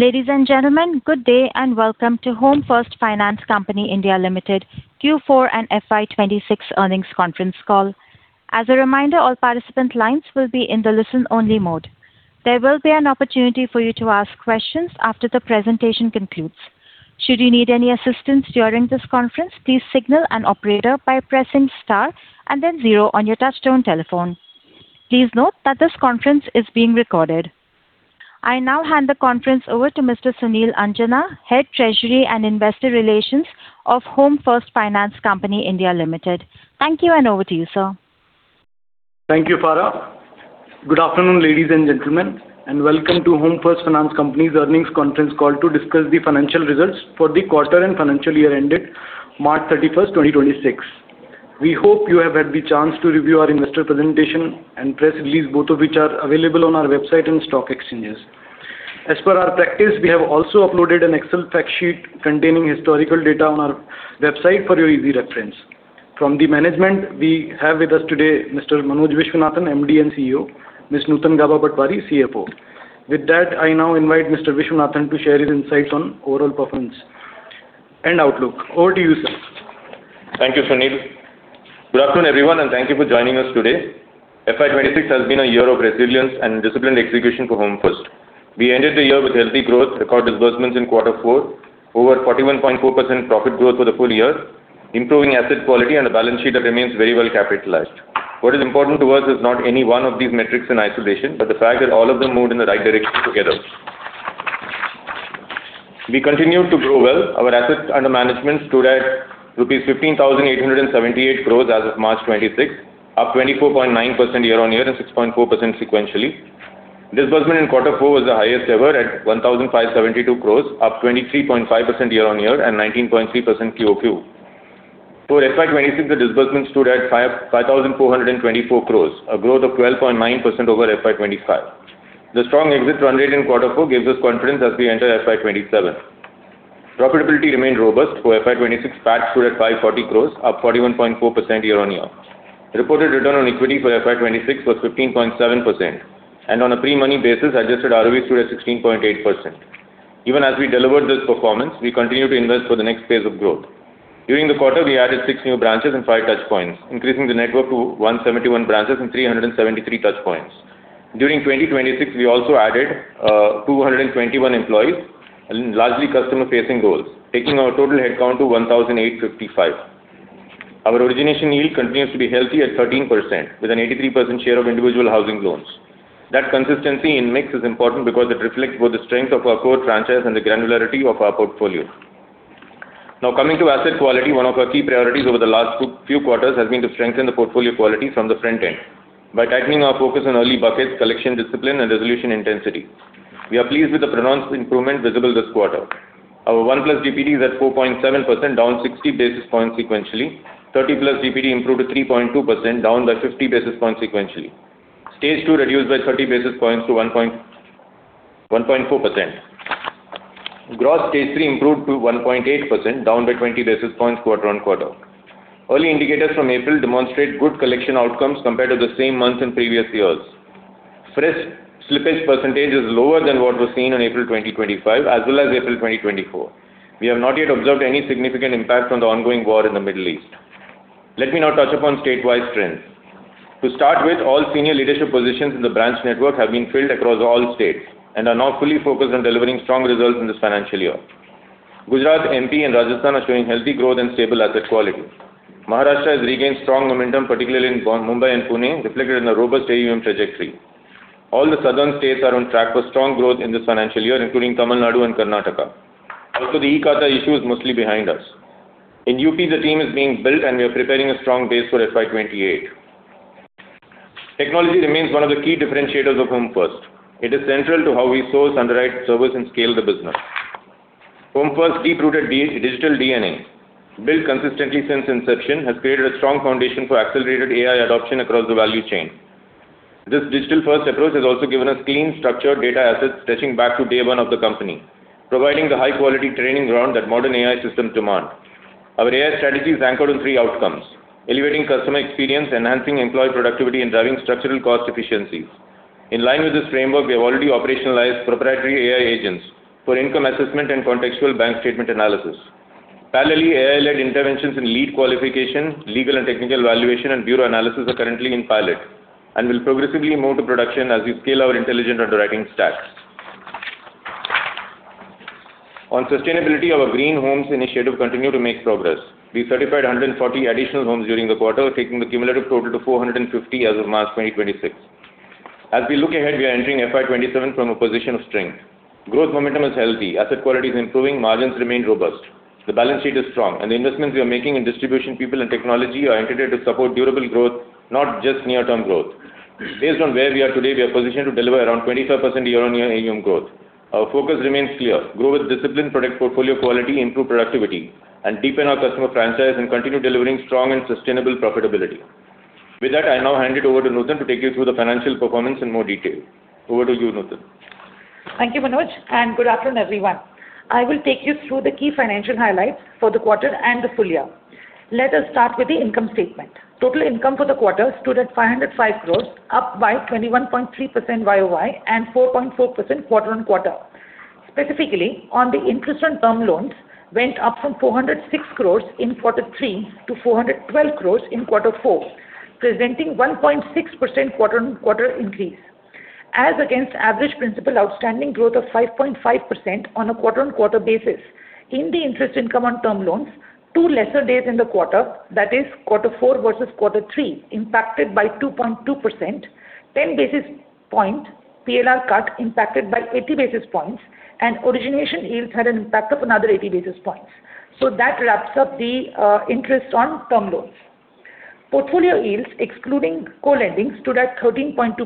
Ladies and gentlemen, good day and welcome to Home First Finance Company India Limited Q4 and FY 2026 earnings conference call. As a reminder, all participants will be in the listen-only mode. There will be an opportunity for you to ask questions after the presentation concludes. Should you need any assistance during this conference, please signal an operator by pressing star and then zero on your touchtone telephone. Please note, that this conference is being recorded. I now hand the conference over to Mr. Sunil Anjana, Head of Treasury and Investor Relations of Home First Finance Company India Limited. Thank you, and over to you, sir. Thank you, Farah. Good afternoon, ladies and gentlemen, and welcome to Home First Finance Company's earnings conference call to discuss the financial results for the quarter and financial year ended March 31, 2026. We hope you have had the chance to review our investor presentation and press release, both of which are available on our website and stock exchanges. As per our practice, we have also uploaded an Excel fact sheet containing historical data on our website for your easy reference. From the management, we have with us today Mr. Manoj Viswanathan, MD and CEO, Ms. Nutan Gaba Patwari, CFO. With that, I now invite Mr. Viswanathan to share his insights on overall performance and outlook. Over to you, sir. Thank you, Sunil. Good afternoon, everyone, and thank you for joining us today. FY 2026 has been a year of resilience and disciplined execution for Home First. We ended the year with healthy growth, record disbursements in quarter four, over 41.4% profit growth for the full year, improving asset quality and a balance sheet that remains very well capitalized. What is important to us is not any one of these metrics in isolation, but the fact that all of them moved in the right direction together. We continued to grow well. Our assets under management stood at rupees 15,878 crore as of March 2026, up 24.9% year-on-year and 6.4% sequentially. Disbursement in quarter four was the highest ever at 1,572 crore, up 23.5% year-on-year and 19.3% QOQ. For FY 2026, the disbursement stood at 5,424 crore, a growth of 12.9% over FY 2025. The strong exit run rate in quarter four gives us confidence as we enter FY 2027. Profitability remained robust for FY 2026. PAT stood at 540 crore, up 41.4% year-on-year. Reported return on equity for FY 2026 was 15.7%, and on a pre-money basis, adjusted ROE stood at 16.8%. Even as we delivered this performance, we continue to invest for the next phase of growth. During the quarter, we added six new branches and five touchpoints, increasing the network to 171 branches and 373 touchpoints. During 2026, we also added 221 employees in largely customer-facing roles, taking our total headcount to 1,855. Our origination yield continues to be healthy at 13% with an 83% share of individual housing loans. That consistency in mix is important because it reflects both the strength of our core franchise and the granularity of our portfolio. Now, coming to asset quality, one of our key priorities over the last few quarters has been to strengthen the portfolio quality from the front end by tightening our focus on early buckets, collection discipline and resolution intensity. We are pleased with the pronounced improvement visible this quarter. Our 1+ DPD is at 4.7%, down 60 basis points sequentially. 3+ DPD improved to 3.2%, down by 50 basis points sequentially. Stage 2 was reduced by 30 basis points to 1.4%. Gross Stage 3 improved to 1.8%, down by 20 basis points quarter-on-quarter. Early indicators from April demonstrate good collection outcomes compared to the same months in previous years. Fresh slippage percentage is lower than what was seen in April 2025 as well as April 2024. We have not yet observed any significant impact from the ongoing war in the Middle East. Let me now touch upon state-wise trends. To start with, all senior leadership positions in the branch network have been filled across all states and are now fully focused on delivering strong results in this financial year. Gujarat, MP and Rajasthan are showing healthy growth and stable asset quality. Maharashtra has regained strong momentum, particularly in Mumbai and Pune, reflected in a robust AUM trajectory. All the southern states are on track for strong growth in this financial year, including Tamil Nadu and Karnataka. Also, the e-Khata issue is mostly behind us. In UP, the team is being built, and we are preparing a strong base for FY 2028. Technology remains one of the key differentiators of Home First. It is central to how we source, underwrite, service and scale the business. Home First's deep-rooted digital DNA, built consistently since inception, has created a strong foundation for accelerated AI adoption across the value chain. This digital-first approach has also given us clean, structured data assets stretching back to day one of the company, providing the high-quality training ground that modern AI systems demand. Our AI strategy is anchored on three outcomes. Elevating customer experience, enhancing employee productivity and driving structural cost efficiencies. In line with this framework, we have already operationalized proprietary AI agents for income assessment and contextual bank statement analysis. Parallelly, AI-led interventions in lead qualification, legal and technical valuation and bureau analysis are currently in pilot and will progressively move to production as we scale our intelligent underwriting stacks. On sustainability, our Green Homes initiative continues to make progress. We certified 140 additional homes during the quarter, taking the cumulative total to 450 as of March 2026. As we look ahead, we are entering FY 2027 from a position of strength. Growth momentum is healthy. Asset quality is improving. Margins remain robust. The balance sheet is strong, and the investments we are making in distribution, people and technology are intended to support durable growth, not just near-term growth. Based on where we are today, we are positioned to deliver around 25% year-over-year AUM growth. Our focus remains clear. Grow with discipline, protect portfolio quality, improve productivity and deepen our customer franchise and continue delivering strong and sustainable profitability. With that, I now hand it over to Nutan to take you through the financial performance in more detail. Over to you, Nutan. Thank you, Manoj, and good afternoon, everyone. I will take you through the key financial highlights for the quarter and the full year. Let us start with the income statement. Total income for the quarter stood at 505 crore, up by 21.3% YOY and 4.4% quarter-on-quarter. Specifically, on the interest on term loans went up from 406 crore in quarter three to 412 crore in quarter four, presenting 1.6% quarter on quarter increase. As against the average principal outstanding growth of 5.5% on a quarter-on-quarter basis. In the interest income on term loans, two lesser days in the quarter, that is, quarter four versus quarter three, impacted by 2.2%, 10 basis points PLR cut impacted by 80 basis points, and origination yields had an impact of another 80 basis points. That wraps up the interest on term loans. Portfolio yields excluding co-lending stood at 13.2%,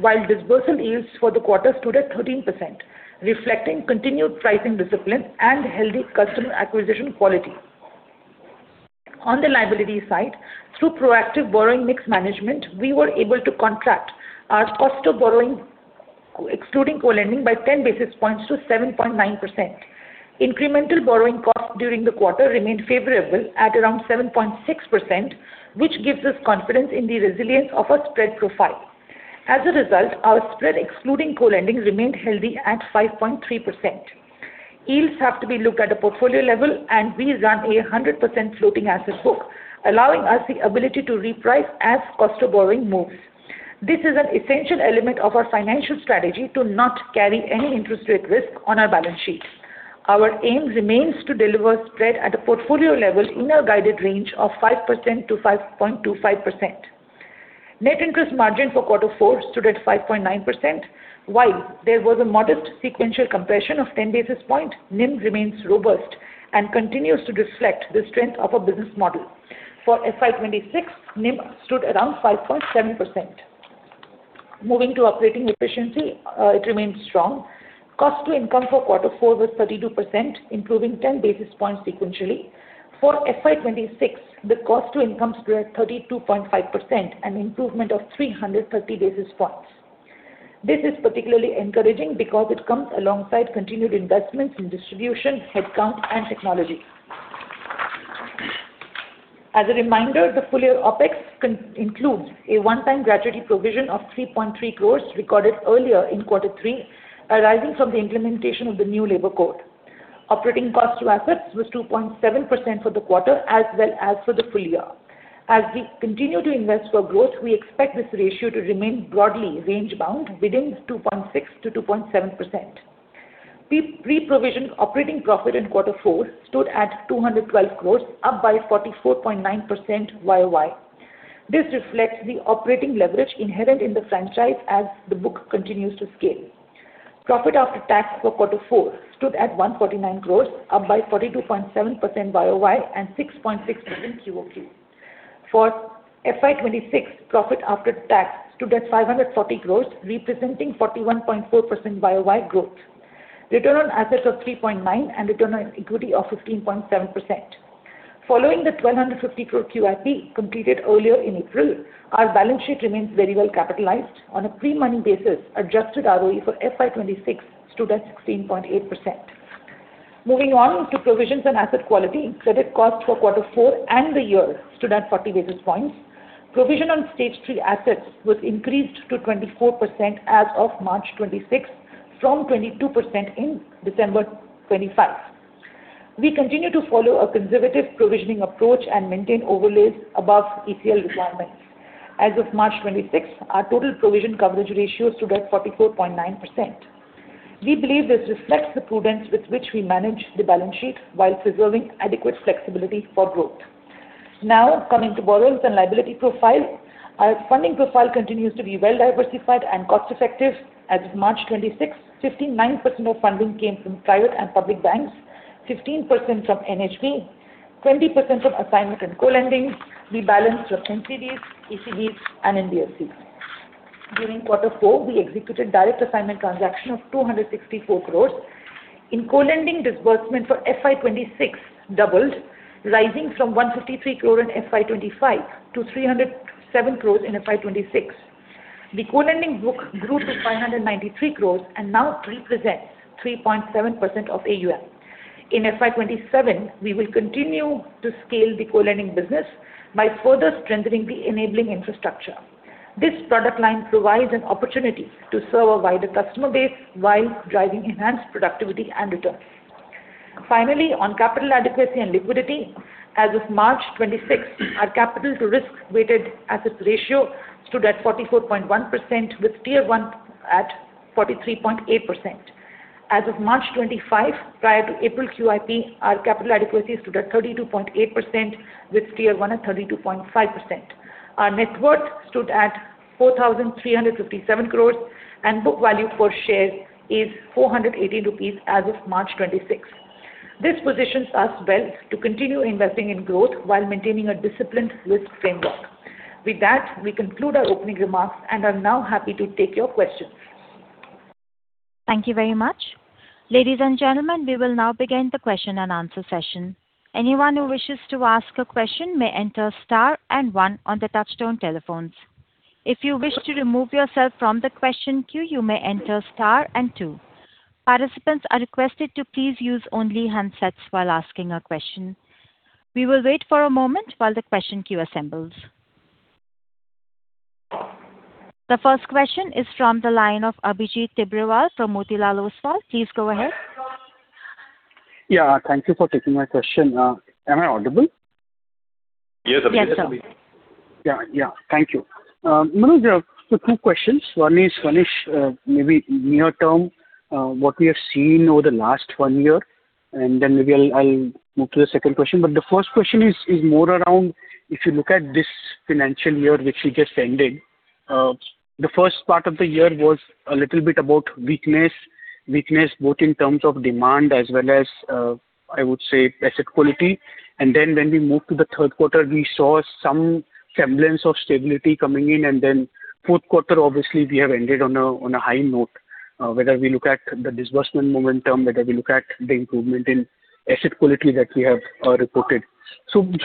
while disbursement yields for the quarter stood at 13%, reflecting continued pricing discipline and healthy customer acquisition quality. On the liability side, through proactive borrowing mix management, we were able to contract our cost of borrowing, excluding co-lending by 10 basis points to 7.9%. Incremental borrowing costs during the quarter remained favourable at around 7.6%, which gives us confidence in the resilience of our spread profile. As a result, our spread excluding co-lending remained healthy at 5.3%. Yields have to be looked at a portfolio level, and we run a 100% floating asset book, allowing us the ability to reprice as the cost of borrowing moves. This is an essential element of our financial strategy to not carry any interest rate risk on our balance sheet. Our aim remains to deliver a spread at a portfolio level in our guided range of 5%-5.25%. Net interest margin for quarter four stood at 5.9%. While there was a modest sequential compression of 10 basis points, NIM remains robust and continues to reflect the strength of our business model. For FY 2026, NIM stood around 5.7%. Moving to operating efficiency, it remains strong. Cost-to-income for quarter four was 32%, improving 10 basis points sequentially. For FY 2026, the cost-to-income stood at 32.5%, an improvement of 330 basis points. This is particularly encouraging because it comes alongside continued investments in distribution, headcount, and technology. As a reminder, the full-year OpEx includes a one-time gratuity provision of 3.3 crore recorded earlier in quarter three, arising from the implementation of the new labour code. Operating cost to assets was 2.7% for the quarter as well as for the full year. As we continue to invest for growth, we expect this ratio to remain broadly range-bound within 2.6%-2.7%. Pre-provision operating profit in quarter four stood at 212 crore, up by 44.9% YOY. This reflects the operating leverage inherent in the franchise as the book continues to scale. Profit after tax for quarter four stood at 149 crore, up by 42.7% YOY and 6.6% QOQ. For FY 2026, profit after tax stood at 540 crore, representing 41.4% YOY growth. Return on assets of 3.9% and return on equity of 15.7%. Following the 1,250 crore QIP completed earlier in April, our balance sheet remains very well capitalized. On a pre-money basis, adjusted ROE for FY 2026 stood at 16.8%. Moving on to provisions and asset quality, credit cost for quarter four and the year stood at 40 basis points. Provisions on stage 3 assets was increased to 24% as of March 2026 from 22% in December 2025. We continue to follow a conservative provisioning approach and maintain overlays above ECL requirements. As of March 2026, our total provision coverage ratio stood at 44.9%. We believe this reflects the prudence with which we manage the balance sheet while preserving adequate flexibility for growth. Now, coming to borrowings and liability profile. Our funding profile continues to be well-diversified and cost-effective. As of March 26, 59% of funding came from private and public banks, 15% from NHB, 20% from assignment and co-lending, the balance from NCDs, ECBs and NBFCs. During Q4, we executed a direct assignment transaction of 264 crore. In co-lending, disbursement for FY 2026 doubled, rising from 153 crore in FY 2025 to 307 crore in FY 2026. The co-lending book grew to 593 crore and now represents 3.7% of AUM. In FY 2027, we will continue to scale the co-lending business by further strengthening the enabling infrastructure. This product line provides an opportunity to serve a wider customer base while driving enhanced productivity and returns. Finally, on capital adequacy and liquidity. As of March 26, our capital-to-risk-weighted asset ratio stood at 44.1% with Tier I at 43.8%. As of March 25, prior to April QIP, our capital adequacy stood at 32.8% with Tier I at 32.5%. Our net worth stood at 4,357 crore, and book value per share is 480 crore rupees as of March 26. This positions us well to continue investing in growth while maintaining a disciplined risk framework. With that, we conclude our opening remarks and are now happy to take your questions. Thank you very much. Ladies and gentlemen, we will now begin the question-and-answer session. Anyone who wishes to ask a question may enter star and one on the touchtone telephones. If you wish to remove yourself from the question queue, you may enter star and two. Participants are requested to please use only handsets while asking a question. We will wait for a moment while the question queue assembles. The first question is from the line of Abhijit Tibrewal from Motilal Oswal. Please go ahead. Yeah. Thank you for taking my question. Am I audible? Yes. Yes, sir. Thank you, Manoj. There are two questions. One is, maybe near-term, what we have seen over the last one year, and then maybe I'll move to the second question. The first question is more around if you look at this financial year, which is just ending, the first part of the year was a little bit about weakness both in terms of demand as well as, I would say, asset quality. When we moved to the third quarter, we saw some semblance of stability coming in, and in the fourth quarter, obviously, we have ended on a high note. Whether we look at the disbursement momentum, whether we look at the improvement in asset quality that we have reported.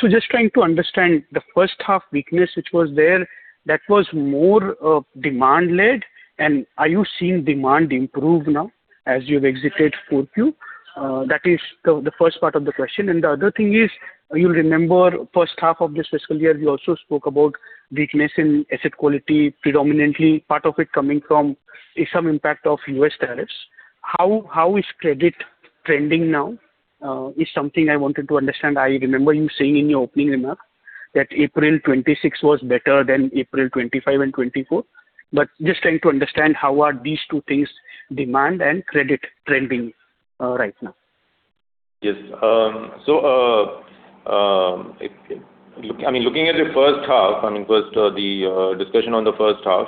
Just trying to understand the first half weakness, which was there, that was more of demand-led, and are you seeing demand improve now as you've exited 4Q? That is the first part of the question. The other thing is, you'll remember first half of this fiscal year, you also spoke about weakness in asset quality, predominantly part of it coming from some impact of U.S. tariffs. How is credit trending now? Is something I wanted to understand. I remember you saying in your opening remark that April 26 was better than April 25 and 24. Just trying to understand how are these two things, demand and credit trending right now. Yes. I mean, looking at the first half, I mean, first, discussion on the first half.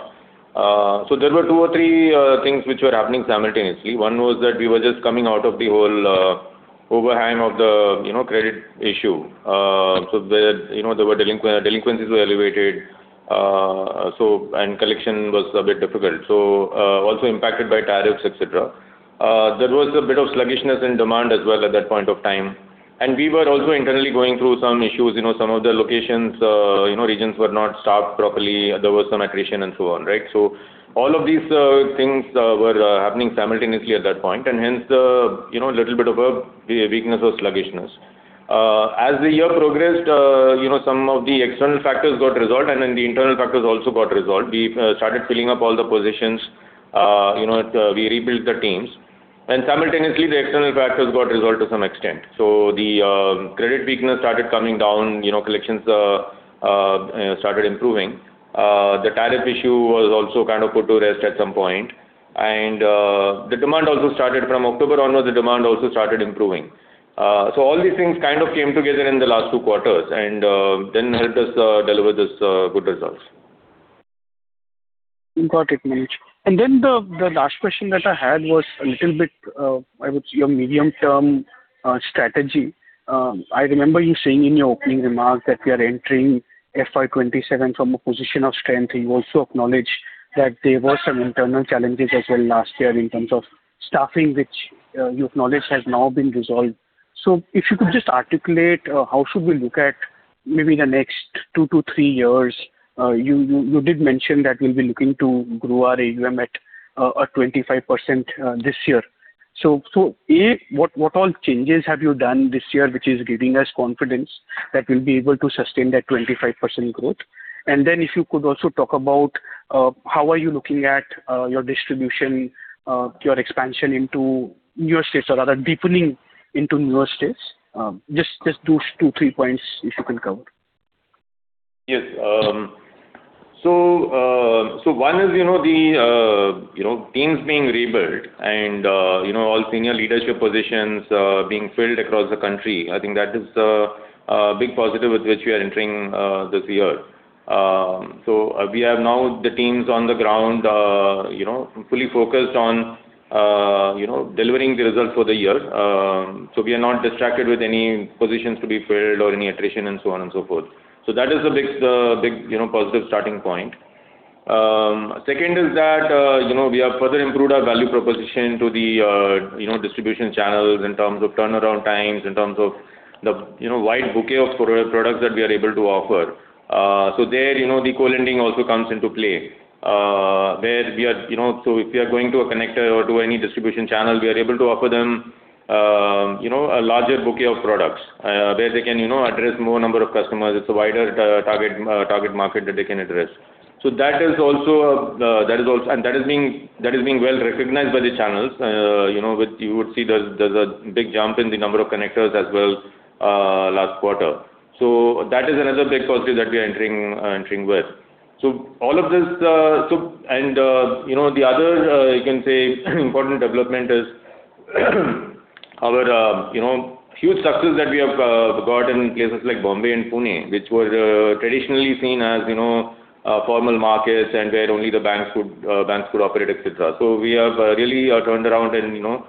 There were two or three things which were happening simultaneously. One was that we were just coming out of the whole overhang of the, you know, credit issue. There, you know, there were delinquencies were elevated. Collection was a bit difficult. Also impacted by tariffs, et cetera. There was a bit of sluggishness in demand as well at that point of time. We were also internally going through some issues, you know, some of the locations, you know, regions were not staffed properly, there was some attrition and so on, right? All of these things were happening simultaneously at that point, and hence, you know, a little bit of weakness or sluggishness. As the year progressed, you know, some of the external factors got resolved, and then the internal factors also got resolved. We started filling up all the positions. You know, we rebuilt the teams. Simultaneously, the external factors got resolved to some extent. The credit weakness started coming down. You know, collections started improving. The tariff issue was also kind of put to rest at some point. The demand also started from October onwards, the demand also started improving. All these things kind of came together in the last two quarters and then helped us deliver these good results. Got it, Manoj. The last question that I had was a little bit, I would say a medium-term strategy. I remember you saying in your opening remarks that we are entering FY 2027 from a position of strength. You also acknowledged that there were some internal challenges as well last year in terms of staffing, which you acknowledged has now been resolved. If you could just articulate, how should we look at maybe the next two to three years? You did mention that we'll be looking to grow our AUM at a 25% this year. A, what all changes have you done this year which is giving us confidence that we'll be able to sustain that 25% growth? If you could also talk about how are you looking at your distribution, your expansion into newer states or rather deepening into newer states? Just those 2 points, 3 points, if you can cover. Yes. One is, you know, the, you know, teams being rebuilt and, you know, all senior leadership positions being filled across the country. I think that is a big positive with which we are entering this year. We now have the teams on the ground, you know, fully focused on delivering the results for the year. We are not distracted with any positions to be filled or any attrition and so on and so forth. That is a big, big, you know, positive starting point. Second is that, you know, we have further improved our value proposition to the, you know, distribution channels in terms of turnaround times, in terms of the, you know, wide bouquet of products that we are able to offer. There, you know, the co-lending also comes into play. Where we are, you know, if we are going to a connector or to any distribution channel, we are able to offer them, you know, a larger bouquet of products, where they can, you know, address more number of customers. It's a wider target market that they can address. That is also. That is being well-recognized by the channels. You know, with you, would see there's a big jump in the number of connectors as well, last quarter. That is another big positive that we are entering with. All of this and, you know, the other, you can say important development is our, you know, huge success that we have got in places like Bombay and Pune, which were traditionally seen as, you know, formal markets and where only the banks could operate, et cetera. We have really turned around and, you know,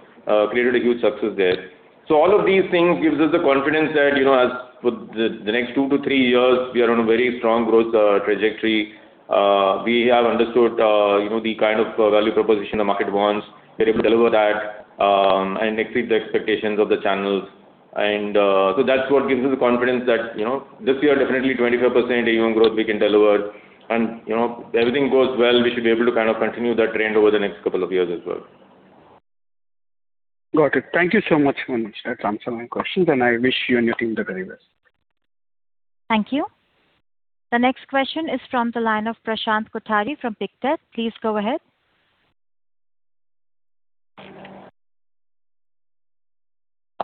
created a huge success there. All of these things give us the confidence that, you know, as for the next two to three years, we are on a very strong growth trajectory. We have understood, you know, the kind of, value proposition the market wants. We are able to deliver that and exceed the expectations of the channels. That's what gives us the confidence that, you know, this year, definitely 25% AUM growth we can deliver, and, you know, everything goes well, we should be able to kind of continue that trend over the next couple of years as well. Got it. Thank you so much for answering my questions, and I wish you and your team the very best. Thank you. The next question is from the line of Prashant Kothari from Pictet. Please go ahead.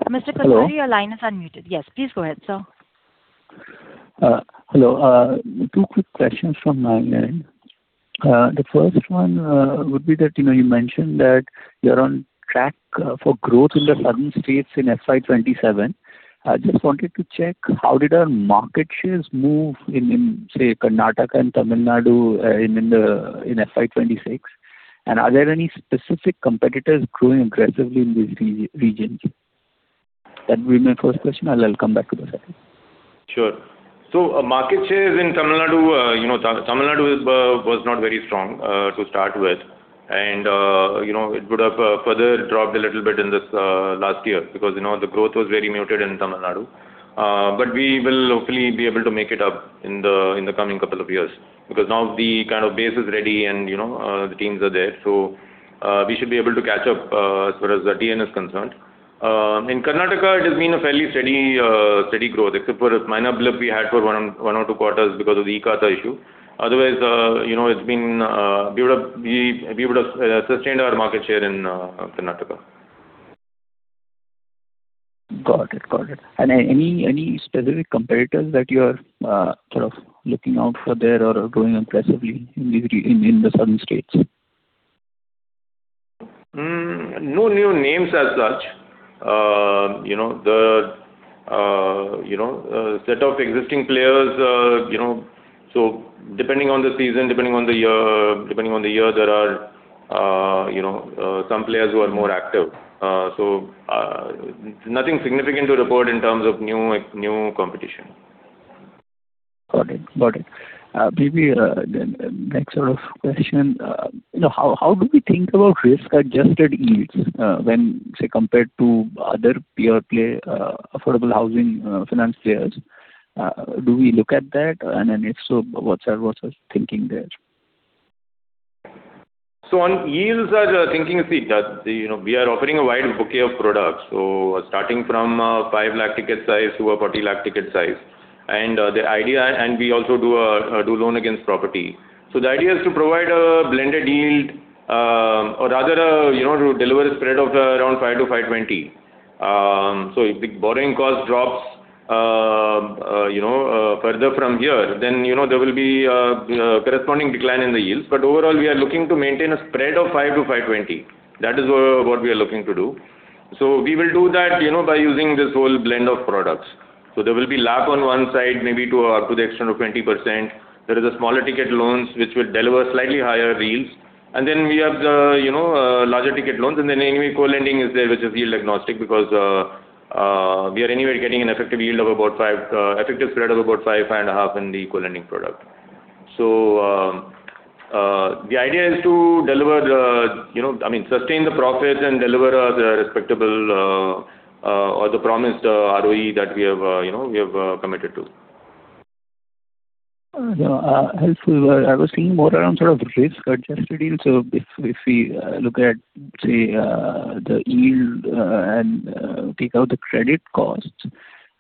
Mr. Kothari- Hello. Your line is unmuted. Yes. Please go ahead, sir. Hello. Two quick questions from my end. The first one would be that, you know, you mentioned that you're on track for growth in the southern states in FY 2027. I just wanted to check how did our market shares move in, say, Karnataka and Tamil Nadu, in FY 2026? Are there any specific competitors growing aggressively in these regions? That will be my first question. I'll come back to the second. Sure. Our market shares in Tamil Nadu, you know, Tamil Nadu is was not very strong to start with. It would have further dropped a little bit in this last year because, you know, the growth was very muted in Tamil Nadu. We will hopefully be able to make it up in the, in the coming couple of years because now the kind of base is ready and, you know, the teams are there. We should be able to catch up as far as the TN is concerned. In Karnataka, it has been a fairly steady growth, except for a minor blip we had for one or two quarters because of the e-KYC issue. Otherwise, you know, we would have sustained our market share in Karnataka. Got it. Got it. Any specific competitors that you're sort of looking out for there, or are growing aggressively in the southern states? No new names as such. You know, the, you know, set of existing players, you know. Depending on the season, depending on the year, there are, you know, some players who are more active. Nothing significant to report in terms of new competition. Got it. Got it. Maybe, then the next sort of question. You know, how do we think about risk-adjusted yields when, say, compared to other pure play, affordable housing, finance players? Do we look at that? If so, what's our thinking there? On yields, our thinking is that you know, we are offering a wide bouquet of products. Starting from 5 lakh ticket size to an 40 lakh ticket size. We also do loans against property. The idea is to provide a blended yield, or rather, you know, to deliver a spread of around 5%-5.20%. If the borrowing cost drops, you know, further from here, then, you know, there will be a corresponding decline in the yields. Overall, we are looking to maintain a spread of 5%-5.20%. That is what we are looking to do. We will do that, you know, by using this whole blend of products. There will be a LAP on one side, maybe to the extent of 20%. There is a smaller ticket loans which will deliver slightly higher yields. We have the, you know, larger ticket loans and then, anyway, co-lending is there, which is yield agnostic because we are anyway getting an effective yield of about an effective spread of about 5.5% in the co-lending product. The idea is to deliver the, you know, I mean, sustain the profit and deliver the respectable or the promised ROE that we have, you know, we have committed to. You know, helpful. I was thinking more around a sort of risk-adjusted yield. If we look at, say, the yield, and take out the credit costs,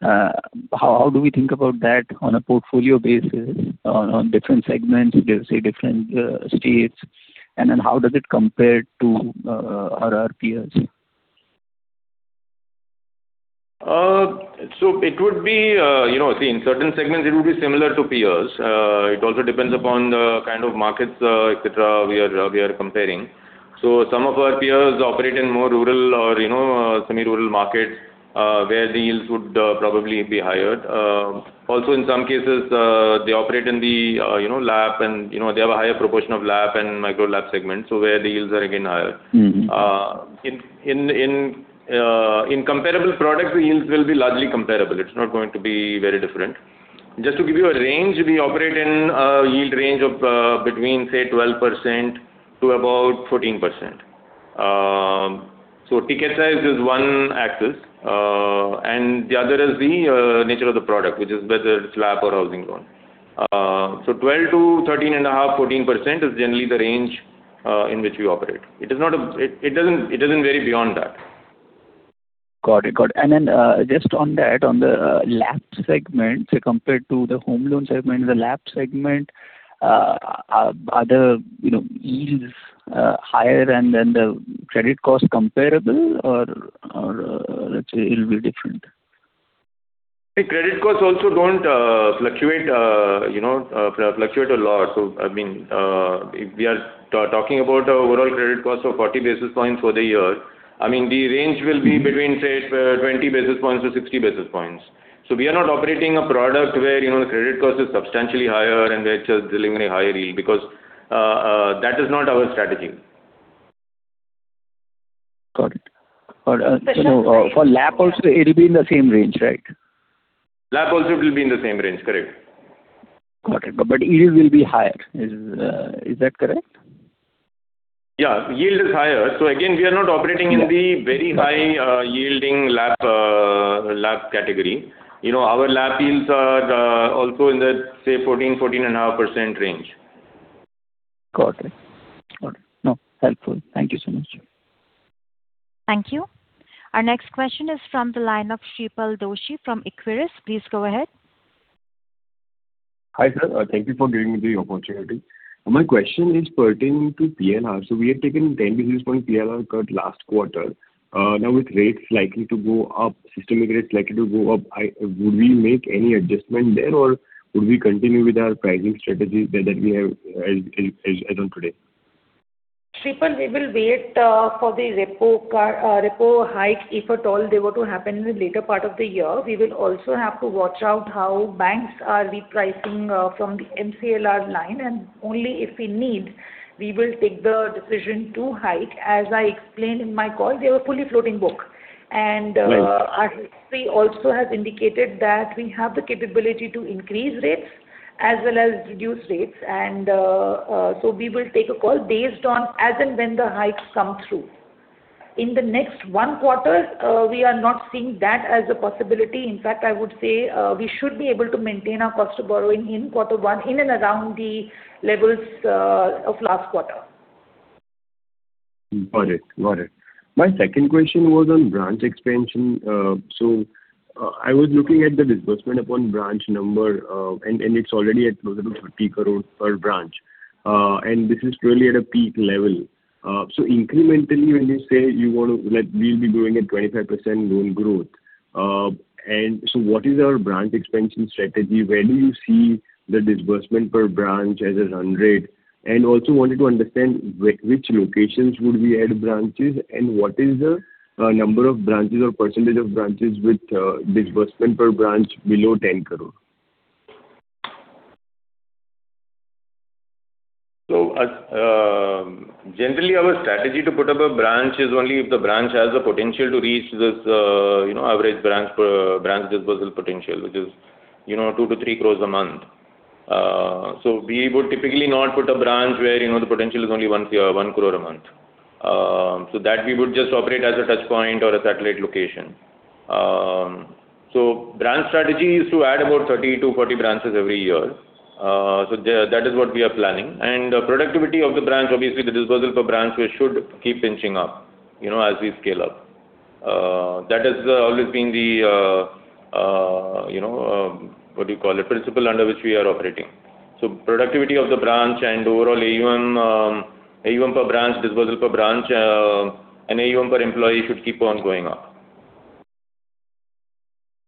how do we think about that on a portfolio basis on different segments, say, different states? Then how does it compare to our peers? It would be, you know, see, in certain segments it would be similar to peers. It also depends upon the kind of markets, et cetera, we are comparing. Some of our peers operate in more rural or, you know, semi-rural markets, where the yields would probably be higher. Also, in some cases, they operate in the, you know, LAP and, you know, they have a higher proportion of LAP and micro LAP segment, where the yields are again higher. In comparable products, the yields will be largely comparable. It's not going to be very different. Just to give you a range, we operate in a yield range of between, say, 12% to about 14%. Ticket size is one axis, and the other is the nature of the product, which is whether it's a LAP or a housing loan. 13.5%-14% is generally the range in which we operate. It doesn't vary beyond that. Got it. Just on that, on the LAP segment, say compared to the home loan segment, the LAP segment are the, you know, yields higher and then the credit cost comparable or, let's say, it'll be different? Credit costs also don't fluctuate a lot. I mean, if we are talking about the overall credit cost of 40 basis points for the year, I mean, the range will be between, say, 20 basis points to 60 basis points. We are not operating a product where, you know, the credit cost is substantially higher, and we're just delivering a higher yield because that is not our strategy. Got it. Got it. Special- For LAP, also, it'll be in the same range, right? LAP will also be in the same range. Correct. Got it. Yields will be higher. Is that correct? Yeah, yield is higher. Again, we are not operating. Yeah. In the very high, yielding LAP category. You know, our LAP yields are also in the, say, 14.5% range. Got it. Got it. No, helpful. Thank you so much. Thank you. Our next question is from the line of Shreepal Doshi from Equirus. Please go ahead. Hi, sir. Thank you for giving me the opportunity. My question is pertaining to PLR. We have taken a 10-basis-point PLR cut last quarter. Now with rates likely to go up, systemic rates likely to go up, would we make any adjustment there, or would we continue with our pricing strategy that we have as of today? Shreepal, we will wait for the repo hike, if at all they were to happen in the later part of the year. We will also have to watch out how banks are repricing from the MCLR line. Only if we need to, we will take the decision to hike. As I explained in my call, they have a fully floating book. Right. Our history has also indicated that we have the capability to increase rates as well as reduce rates. We will take a call based on as and when the hikes come through. In the next one quarter, we are not seeing that as a possibility. In fact, I would say, we should be able to maintain our cost of borrowing in quarter one in and around the levels of last quarter. Got it. Got it. My second question was on branch expansion. I was looking at the disbursement upon the branch number, and it's already at close to 30 crore per branch. This is clearly at a peak level. Incrementally, when you say we'll be doing a 25% loan growth. What is our branch expansion strategy? Where do you see the disbursement per branch as a run rate? Also wanted to understand which locations we would add branches and what is the number of branches or percentage of branches with disbursement per branch below 10 crore? Generally, our strategy to put up a branch is only if the branch has the potential to reach this, you know, average branch per, branch dispersal potential, which is, you know, 2 crore-3 crore a month. So we would typically not put a branch where, you know, the potential is only 1 crore a month. So that we would just operate as a touch point or a satellite location. So the branch strategy is to add about 30-40 branches every year. So that is what we are planning. Productivity of the branch, obviously, the dispersal per branch, we should keep inching up, you know, as we scale up. That has always been the, you know, what do you call it? Principle under which we are operating. Productivity of the branch and overall AUM per branch, dispersal per branch, and AUM per employee should keep on going up.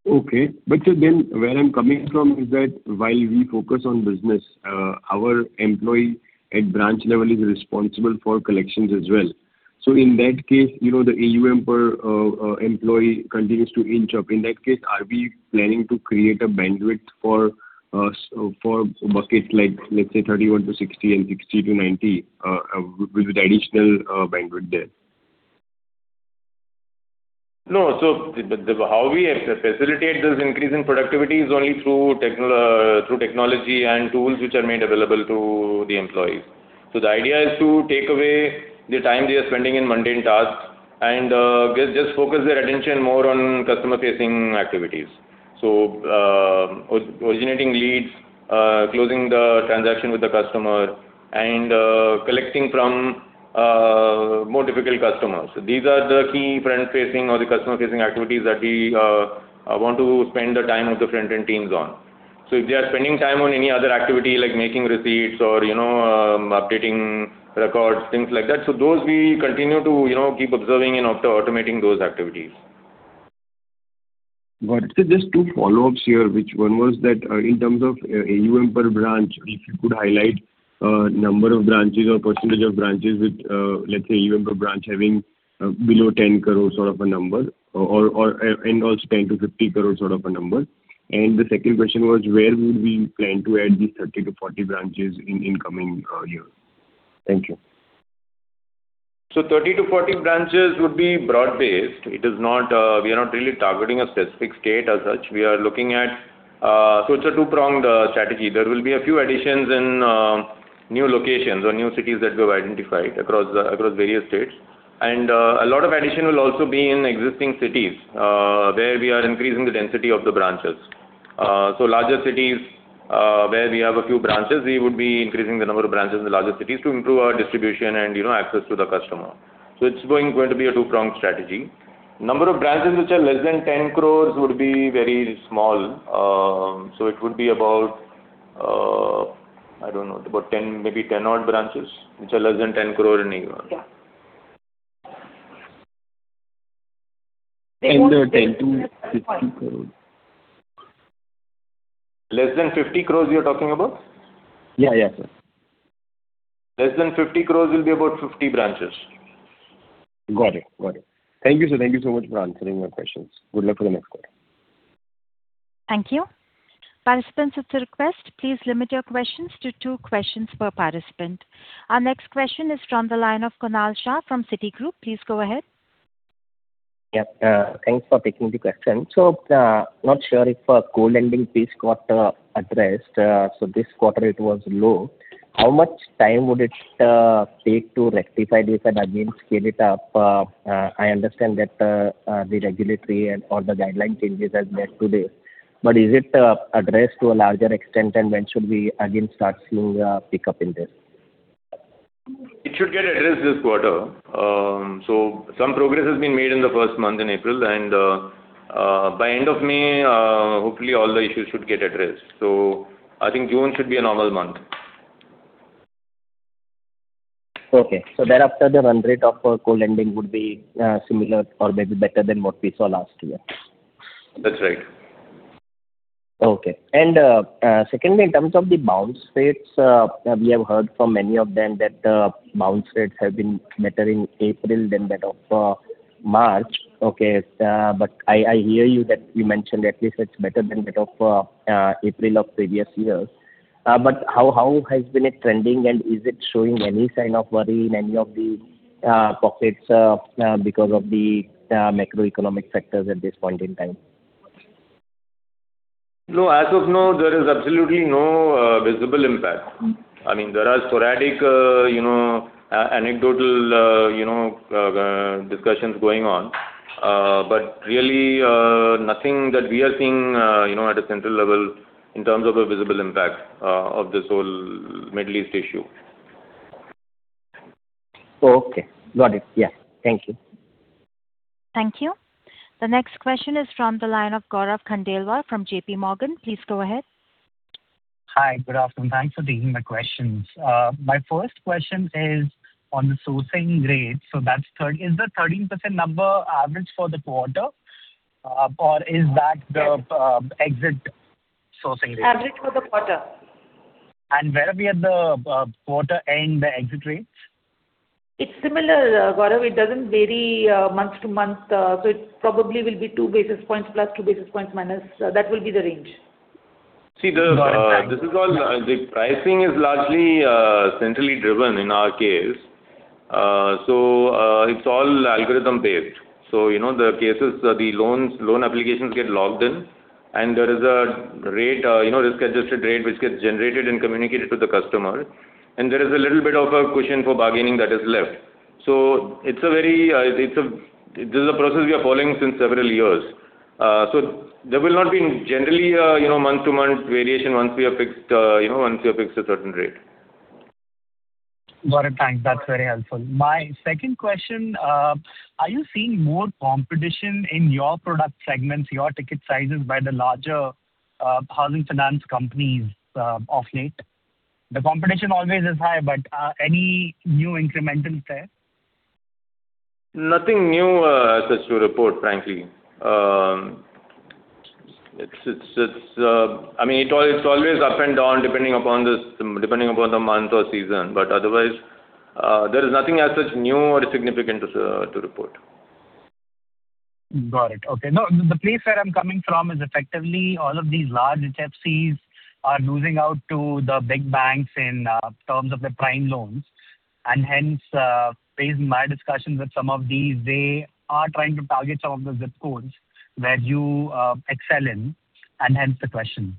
Okay. Sir, then where I'm coming from is that while we focus on business, our employees at the branch level is responsible for collections as well. In that case, you know, the AUM per employee continues to inch up. In that case, are we planning to create a bandwidth for buckets like, let's say, 31 to 60 and 60 to 90? Will there be additional bandwidth there? No. How we facilitate this increase in productivity is only through technology and tools, which are made available to the employees. The idea is to take away the time they are spending in mundane tasks and just focus their attention more on customer-facing activities. Originating leads, closing the transaction with the customer and collecting from more difficult customers. These are the key front-facing or customer-facing activities that we want to spend the time of the front-end teams on. If they are spending time on any other activity like making receipts or, you know, updating records, things like that. Those we continue to, you know, keep observing and automating those activities. Got it. Sir, just two follow-ups here. Which one was that, in terms of AUM per branch, if you could highlight the number of branches or percentage of branches with, let's say, AUM per branch having below 10 crore, sort of a number or also 10 crore-50 crore sort of a number. The second question was where we would plan to add these 30 to 40 branches in incoming years? Thank you. 30-40 branches would be broad-based. It is not; we are not really targeting a specific state as such. We are looking at. It's a two-pronged strategy. There will be a few additions in new locations or new cities that we've identified across various states. A lot of additions will also be in existing cities where we are increasing the density of the branches. Larger cities where we have a few branches, we would be increasing the number of branches in the larger cities to improve our distribution and, you know, access to the customer. It's going to be a two-pronged strategy. Number of branches which are less than 10 crore would be very small. It would be about, I don't know, about 10 crore, maybe 10 crore odd branches, which are less than 10 crore in AUM. Yeah. 10-50 crore. Less than 50 crore you're talking about? Yeah, yeah, sir. Less than 50 crore will be about 50 branches. Got it. Thank you, sir. Thank you so much for answering my questions. Good luck for the next quarter. Thank you. Participants, it's a request, please limit your questions to two questions per participant. Our next question is from the line of Kunal Shah from Citigroup. Please go ahead. Yeah. Thanks for taking the question. Not sure if co-lending this quarter was addressed. This quarter it was low. How much time would it take to rectify this and again scale it up? I understand that the regulatory and all the guideline changes has led to this. Is it addressed to a larger extent, and when should we again start seeing a pickup in this? It should get addressed this quarter. Some progress has been made in the first month in April and by end of May, hopefully all the issues should get addressed. I think June should be a normal month. Okay. Thereafter, the run rate of co-lending would be similar or maybe better than what we saw last year. That's right. Okay. Secondly, in terms of the bounce rates, we have heard from many of them that bounce rates have been better in April than that of March. Okay. I hear you that you mentioned at least it's better than that of April of previous years. How has been it trending, and is it showing any sign of worry in any of the pockets because of the macroeconomic factors at this point in time? No. As of now, there is absolutely no visible impact. I mean, there are sporadic, you know, anecdotal, you know, discussions going on. Really, nothing that we are seeing, you know, at a central level in terms of a visible impact of this whole Middle East issue. Okay. Got it. Yeah. Thank you. Thank you. The next question is from the line of Gaurav Khandelwal from JPMorgan. Please go ahead. Hi. Good afternoon. Thanks for taking my questions. My first question is on the sourcing rates. Is the 13% number the average for the quarter, or is that the exit sourcing rate? Average for the quarter. Where are we at the quarter end, the exit rates? It's similar, Gaurav. It doesn't vary, month to month. It probably will be +2 basis points, -2 basis points. That will be the range. See the- Got it. Thanks. This is all. The pricing is largely centrally driven in our case. It's all algorithm-based. You know, the cases, the loans, loan applications get logged in, and there is a rate, you know, risk-adjusted rate which gets generated and communicated to the customer, and there is a little bit of a cushion for bargaining that is left. This is a process we are following for several years. There will not generally be a, you know, month-to-month variation once we have fixed, you know, once we have fixed a certain rate. Got it. Thanks. That's very helpful. My second question, are you seeing more competition in your product segments, your ticket sizes by the larger housing finance companies of late? The competition is always high, any new incrementals there? Nothing new as such to report, frankly. I mean, it's always up and down depending upon this, depending upon the month or season. Otherwise, there is nothing as such new or significant to report. Got it. Okay. No, the place where I'm coming from is effectively all of these large HFCs are losing out to the big banks in terms of their prime loans, and hence, based on my discussions with some of these, they are trying to target some of the zip codes where you excel in, and hence the question.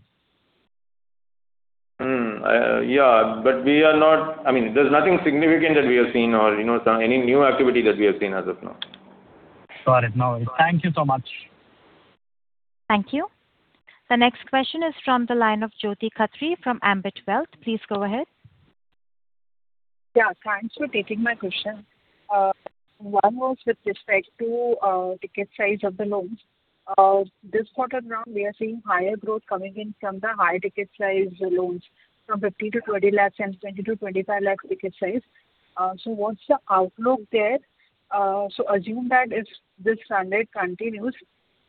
Yeah, I mean, there's nothing significant that we have seen or, you know, any new activity that we have seen as of now. Got it. No worries. Thank you so much. Thank you. The next question is from the line of Jyoti Khatri from Ambit Wealth. Please go ahead. Yeah. Thanks for taking my question. One was with respect to the ticket size of the loans. This quarter, we are now seeing higher growth coming in from the higher ticket size loans, from 15 lakhs-20 lakhs and 20 lakhs-25 lakhs ticket size. What's the outlook there? Assume that if this trend rate continues,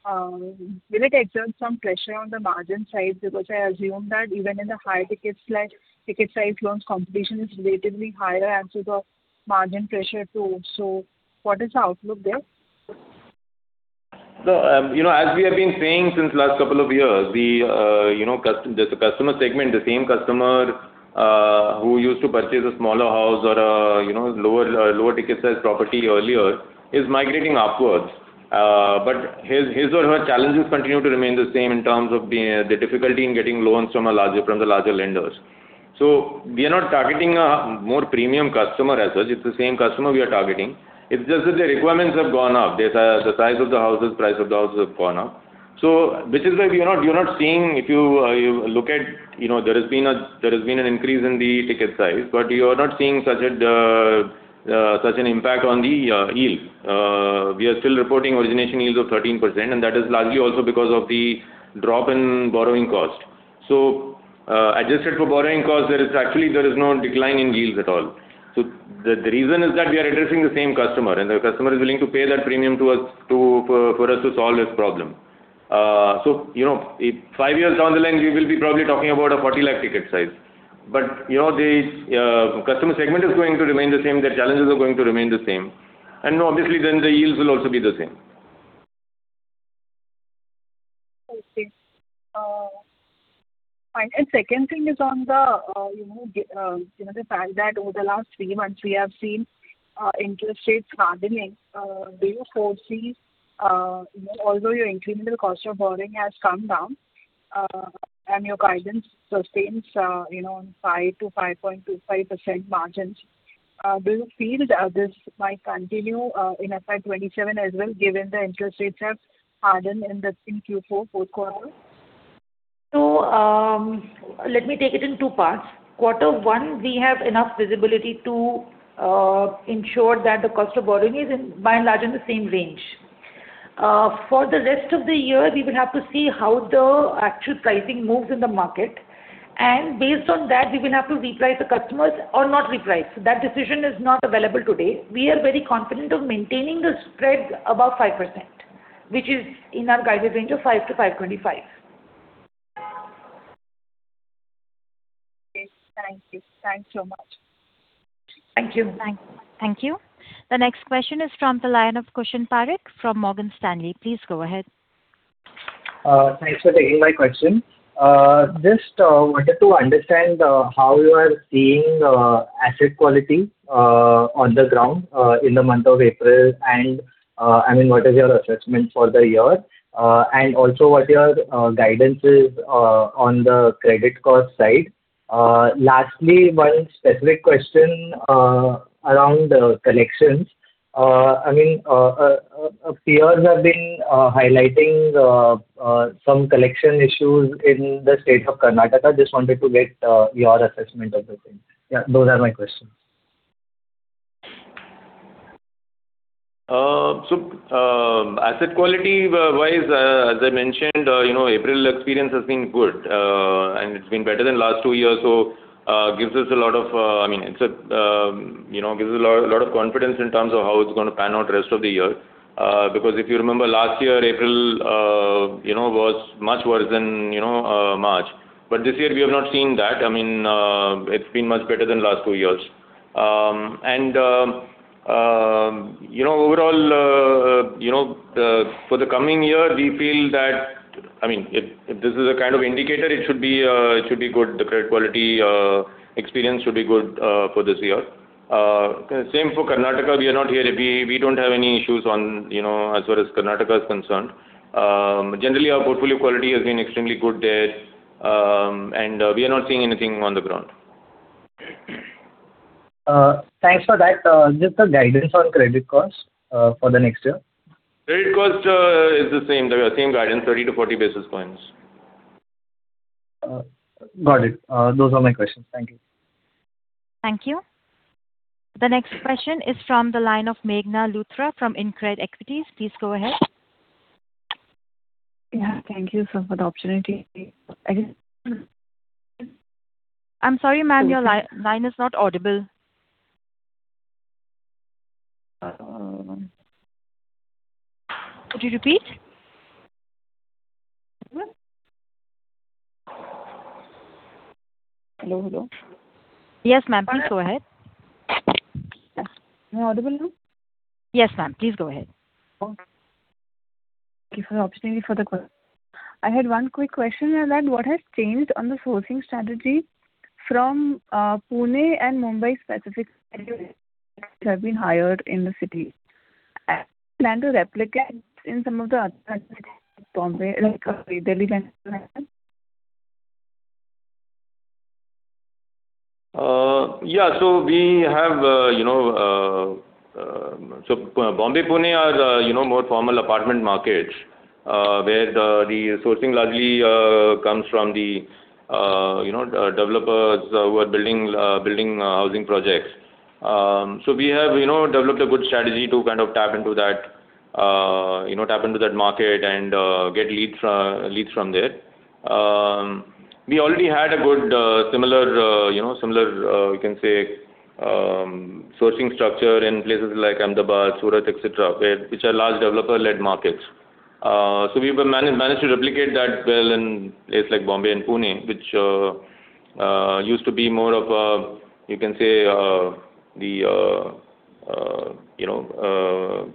will it exert some pressure on the margin side? I assume that even in the higher ticket size loans, competition is relatively higher, and so the margin pressure too. What is the outlook there? You know, as we have been saying since last couple of years, we, you know, there's a customer segment, the same customer who used to purchase a smaller house or a, you know, lower ticket size property earlier, is migrating upwards. His or her challenges continue to remain the same in terms of the difficulty in getting loans from the larger lenders. We are not targeting a more premium customer as such. It's the same customer we are targeting. It's just that the requirements have gone up. The size of the houses, price of the houses have gone up. This is why we are not seeing if you look at, you know, there has been an increase in the ticket size, but you are not seeing such an impact on the yield. We are still reporting origination yields of 13%, and that is largely also because of the drop in borrowing cost. Adjusted for borrowing cost, there is actually no decline in yields at all. The reason is that we are addressing the same customer, and the customer is willing to pay that premium to us to, for us to solve his problem. You know, if five years down the line, we will probably be talking about an 40 lakh ticket size. You know, the customer segment is going to remain the same, their challenges are going to remain the same, and obviously, then the yields will also be the same. Okay. Second thing is on the fact that over the last three months, we have seen interest rates hardening. Do you foresee, although your incremental cost of borrowing has come down, and your guidance sustains on 5%-5.25% margins, do you feel that this might continue in FY 2027 as well, given the interest rates have hardened in this in Q4, fourth quarter? Let me take it in two parts. Quarter one, we have enough visibility to ensure that the cost of borrowing is in by and large, in the same range. For the rest of the year, we will have to see how the actual pricing moves in the market, and based on that, we will have to reprice the customers or not reprice. That decision is not available today. We are very confident of maintaining the spread above 5%, which is in our guidance range of 5%-5.25%. Okay. Thank you. Thanks so much. Thank you. Thank you. The next question is from the line of Kushan Parikh from Morgan Stanley. Please go ahead. Thanks for taking my question. Just wanted to understand how you are seeing asset quality on the ground in the month of April and, I mean, what is your assessment for the year? Also, what is your guidance on the credit cost side? Lastly, one specific question around the collections. I mean, peers have been highlighting some collection issues in the state of Karnataka. Just wanted to get your assessment of the same. Those are my questions. Asset quality-wise, as I mentioned, you know, April experience has been good, and it's been better than the last two years, gives us a lot of, I mean, it's a, you know, gives a lot of confidence in terms of how it's gonna pan out rest of the year. Because if you remember last year, April, you know, was much worse than, you know, March. This year we have not seen that. I mean, it's been much better than the last two years. And, you know, overall, you know, for the coming year, we feel that, I mean, if this is a kind of indicator, it should be, it should be good. The credit quality experience should be good for this year. Same for Karnataka. We don't have any issues on, you know, as far as Karnataka is concerned. Generally, our portfolio quality has been extremely good there, and we are not seeing anything on the ground. Thanks for that. Just the guidance on credit costs for the next year. Credit cost is the same, the same guidance, 30 basis points to 40 basis points. Got it. Those are my questions. Thank you. Thank you. The next question is from the line of Meghna Luthra from InCred Equities. Please go ahead. Yeah. Thank you, sir, for the opportunity. I'm sorry, ma'am. Your line is not audible. Could you repeat? Hello, hello. Yes, ma'am. Please go ahead. Am I audible now? Yes, ma'am. Please go ahead. Okay. Thank you for the opportunity for the call. I had one quick question around what has changed on the sourcing strategy from Pune and Mumbai specific that have been hired in the city. Plan to replicate in some of the other cities, like Mumbai, like Delhi, and Bangalore. Yeah. Bombay, Pune are the, you know, more formal apartment markets, where the sourcing largely comes from the, you know, developers who are building housing projects. We have, you know, developed a good strategy to kind of tap into that, you know, tap into that market and get leads from there. We already had a good, similar, you know, similar sourcing structure in places like Ahmedabad, Surat, et cetera, which are large developer-led markets. We've managed to replicate that well in places like Bombay and Pune, which used to be more of a, you can say, the, you know,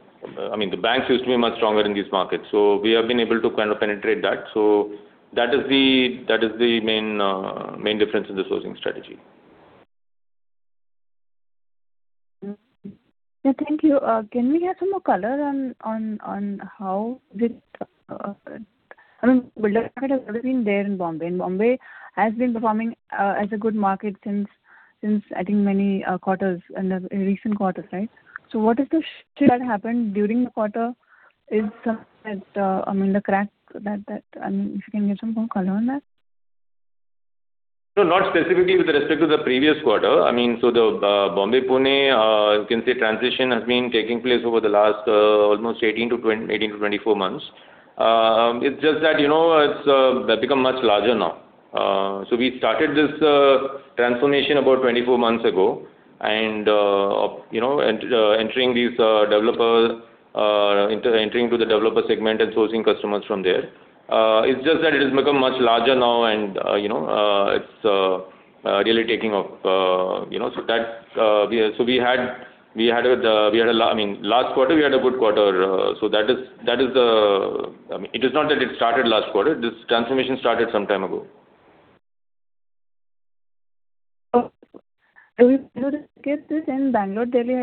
I mean, the banks used to be much stronger in these markets. We have been able to kind of penetrate that. That is the main difference in the sourcing strategy. Yeah. Thank you. Can we have some more color on how with, I mean, builder market has already been there in Bombay, and Bombay has been performing as a good market since, I think, many quarters in the recent quarters, right? What is the shift that happened during the quarter is something that, I mean, the crack that, I mean, if you can give some more color on that? No, not specifically with respect to the previous quarter. I mean, the Bombay, Pune, you can say transition has been taking place over the last, almost 18 to 24 months. It's just that, you know, it's, they've become much larger now. We started this transformation about 24 months ago and, you know, entering these, developer, entering to the developer segment and sourcing customers from there. It's just that it has become much larger now and, you know, it's really taking off, you know. We had, I mean, last quarter we had a good quarter. That is, that is the. It is not that it started last quarter. This transformation started some time ago. Oh. Do we plan to replicate this in Bangalore, Delhi, and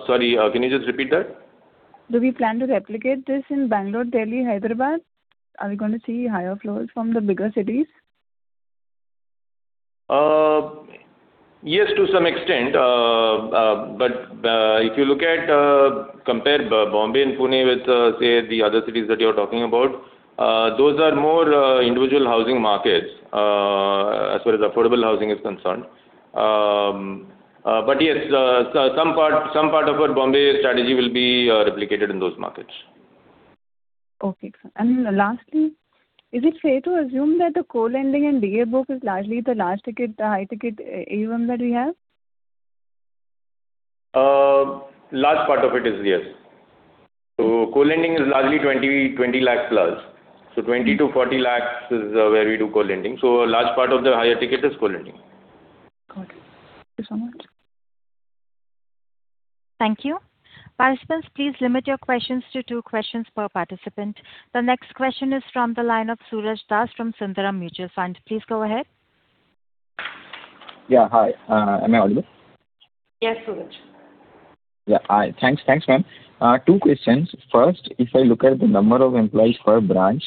Hyderabad? Sorry, can you just repeat that? Do we plan to replicate this in Bangalore, Delhi, and Hyderabad? Are we gonna see higher flows from the bigger cities? Yes, to some extent. If you look at, compare Bombay and Pune with, say, the other cities that you're talking about, those are more individual housing markets, as far as affordable housing is concerned. Yes, some part of our Bombay strategy will be replicated in those markets. Okay. Lastly, is it fair to assume that the co-lending and DA book is largely the large ticket, high ticket AUM that we have? Large part of it is, yes. Co-lending is largely 20 lakh plus. 20 lakh-40 lakh is where we do co-lending. A large part of the higher ticket is co-lending. Got it. Thank you so much. Thank you. Participants, please limit your questions to two questions per participant. The next question is from the line of Suraj Das from Sundaram Mutual Fund. Please go ahead. Yeah. Hi. Am I audible? Yes, Suraj. Yeah. Hi. Thanks. Thanks, ma'am. Two questions. First, if I look at the number of employees per branch,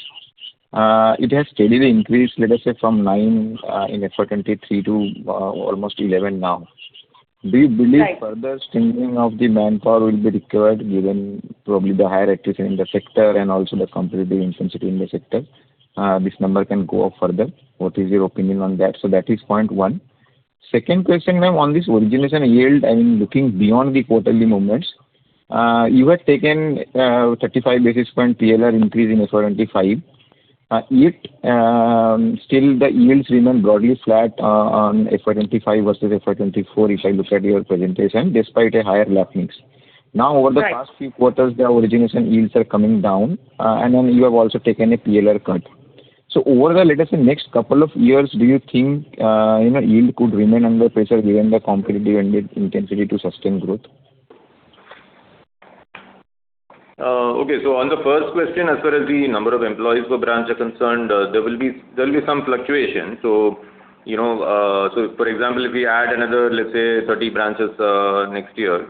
it has steadily increased, let us say from nine in FY 2023 to almost 11 now. Right. Do you believe further strengthening of the manpower will be required, given probably the higher attrition in the sector and also the competitive intensity in the sector? This number can go up further. What is your opinion on that? That is point one. Second question, ma'am, on this origination yield, I mean, looking beyond the quarterly movements, you had taken 35 basis point PLR increase in FY 2025. Yet, still the yields remain broadly flat on FY 2025 versus FY 2024 if I look at your presentation, despite a higher LAP mix. Right. Over the past few quarters, the origination yields are coming down, and then you have also taken a PLR cut. Over the, let us say, next couple of years, do you think, you know, yield could remain under pressure given the competitive and the intensity to sustain growth? Okay. On the first question, as far as the number of employees per branch are concerned, there will be some fluctuation. You know, so for example, if we add another, let's say, 30 branches next year,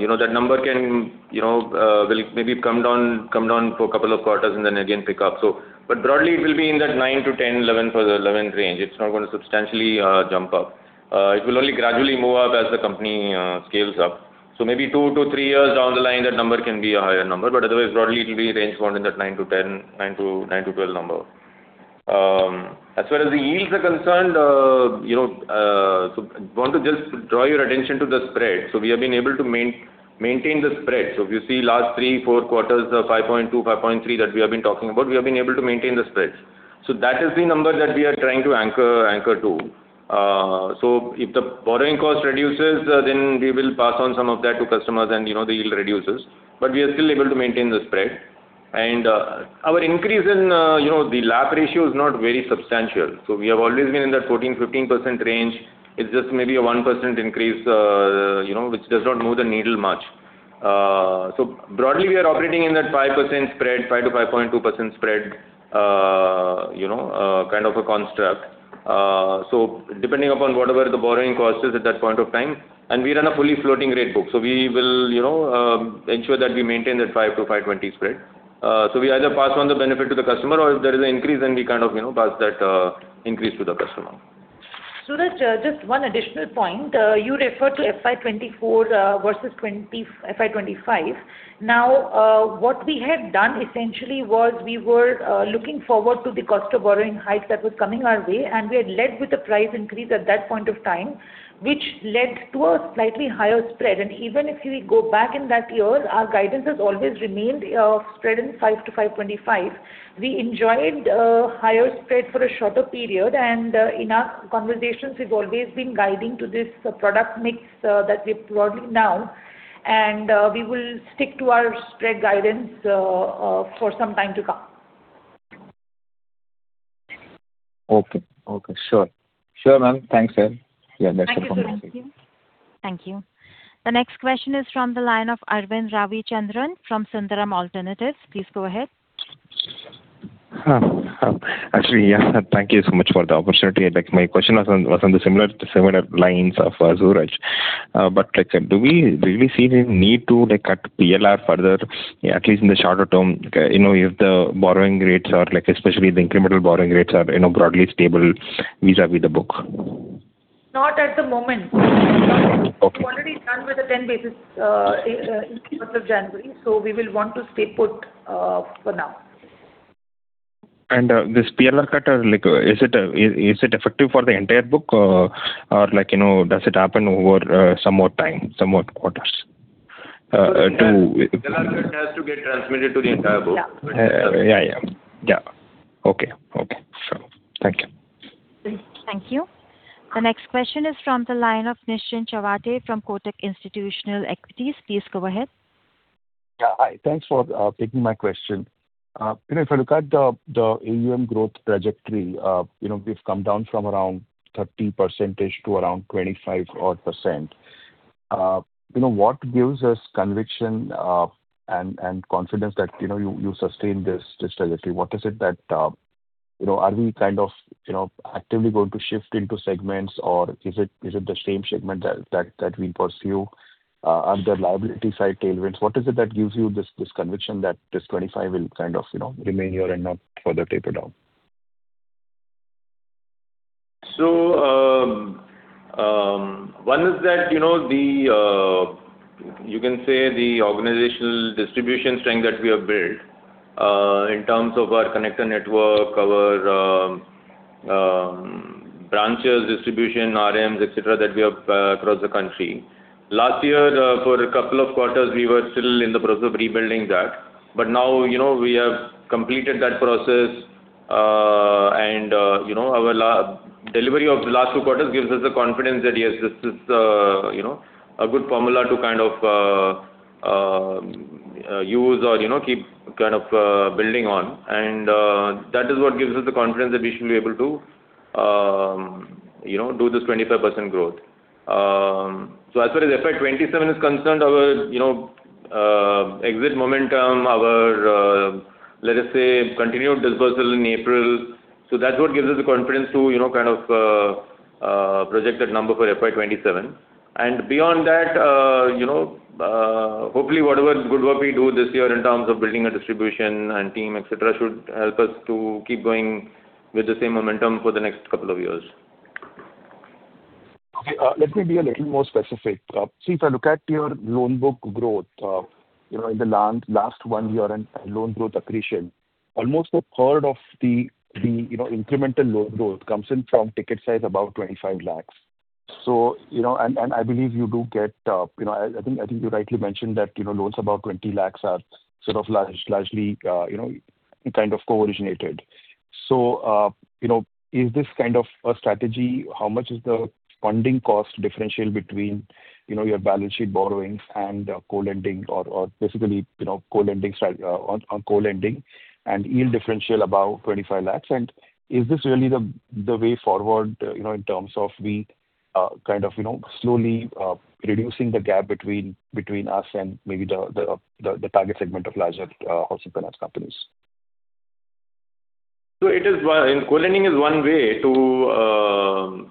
you know, that number can, you know, will maybe come down for a couple of quarters and then again pick up. Broadly, it will be in that nine to 10, 11 for the 11th range. It's not gonna substantially jump up. It will only gradually move up as the company scales up. So maybe two to three years down the line, that number can be a higher number. Otherwise, broadly it will be range-bound in that nine to 10, nine to 12 number. As far as the yields are concerned, you know, I want to just draw your attention to the spread. We have been able to maintain the spread. If you see the last three, four quarters, 5.2, 5.3 that we have been talking about, we have been able to maintain the spread. That is the number that we are trying to anchor to. If the borrowing cost reduces, then we will pass on some of that to customers, and, you know, the yield reduces. We are still able to maintain the spread. Our increase in, you know, the LAP ratio is not very substantial. We have always been in that 14%, 15% range. It's just maybe a 1% increase, you know, which does not move the needle much. Broadly, we are operating in that 5% spread, 5%-5.2% spread, you know, kind of a construct. Depending upon whatever the borrowing cost is at that point of time. We run a fully floating rate book, so we will, you know, ensure that we maintain that 5%-5.2% spread. We either pass on the benefit to the customer, or if there is an increase then we kind of, you know, pass that increase to the customer. Suraj, just one additional point. You referred to FY 2024 versus FY 2025. Now, what we had done essentially was we were looking forward to the cost of borrowing hike that was coming our way, and we had led with a price increase at that point of time, which led to a slightly higher spread. Even if we go back in that year, our guidance has always remained spread in 5%-5.25%. We enjoyed a higher spread for a shorter period, and in our conversations, we've always been guiding to this product mix that we've broadly now, and we will stick to our spread guidance for some time to come. Okay. Okay. Sure. Sure, ma'am. Thanks, sir. Yeah, that's it from my side. Thank you, Suraj. Thank you. The next question is from the line of Arvind Ravichandran from Sundaram Alternatives. Please go ahead. Actually, yeah, thank you so much for the opportunity. Like, my question was on similar lines of Suraj. Like, do we really see the need to, like, cut PLR further at least in the shorter term, you know, if the borrowing rates are, especially the incremental borrowing rates are, you know, broadly stable vis-a-vis the book? Not at the moment. Okay. We've already done with the 10 basis, with effect of January, so we will want to stay put, for now. This PLR cut, or like, is it effective for the entire book? Or like, you know, does it happen over some more time, some more quarters? The PLR cut has to get transmitted to the entire book. Yeah, yeah. Yeah. Okay. Okay. Sure. Thank you. Thank you. The next question is from the line of Nischint Chawathe from Kotak Institutional Equities. Please go ahead. Yeah. Hi. Thanks for taking my question. You know, if you look at the AUM growth trajectory, you know, we've come down from around 30% to around 25% odd. You know, what gives us conviction and confidence that, you know, you sustain this trajectory? What is it that, you know, are we kind of, you know, actively going to shift into segments, or is it the same segment that we pursue? Are there liability side tailwinds? What is it that gives you this conviction that this 25% will kind of, you know, remain here and not further taper down? One is that, you know, the, you can say the organizational distribution strength that we have built, in terms of our connector network, our branches, distribution, RMs, et cetera, that we have across the country. Last year, for a couple of quarters, we were still in the process of rebuilding that. Now, you know, we have completed that process, and, you know, our delivery of the last two quarters gives us the confidence that yes, this is, you know, a good formula to kind of, use or, you know, keep kind of, building on. That is what gives us the confidence that we should be able to, you know, do this 25% growth. As far as FY 2027 is concerned, our, you know, exit momentum, our, let us say, continued dispersal in April. That's what gives us the confidence to, you know, kind of, project that number for FY 2027. Beyond that, you know, hopefully, whatever good work we do this year in terms of building a distribution and team, et cetera, should help us to keep going with the same momentum for the next couple of years. Okay. Let me be a little more specific. See, if I look at your loan book growth, you know, in the last one year and loan growth accretion, almost a third of the, you know, incremental loan growth comes in from ticket size about 25 lakhs. You know, I believe you do get, you know, you rightly mentioned that, you know, loans about 20 lakhs are sort of largely, you know, kind of co-originated. You know, is this kind of a strategy? How much is the funding cost differential between, you know, your balance sheet borrowings and co-lending or basically, you know, co-lending on co-lending and yield differential about 25 lakhs? Is this really the way forward, you know, in terms of we, kind of, you know, slowly, reducing the gap between us and maybe the target segment of larger housing finance companies? This is why co-lending is one way to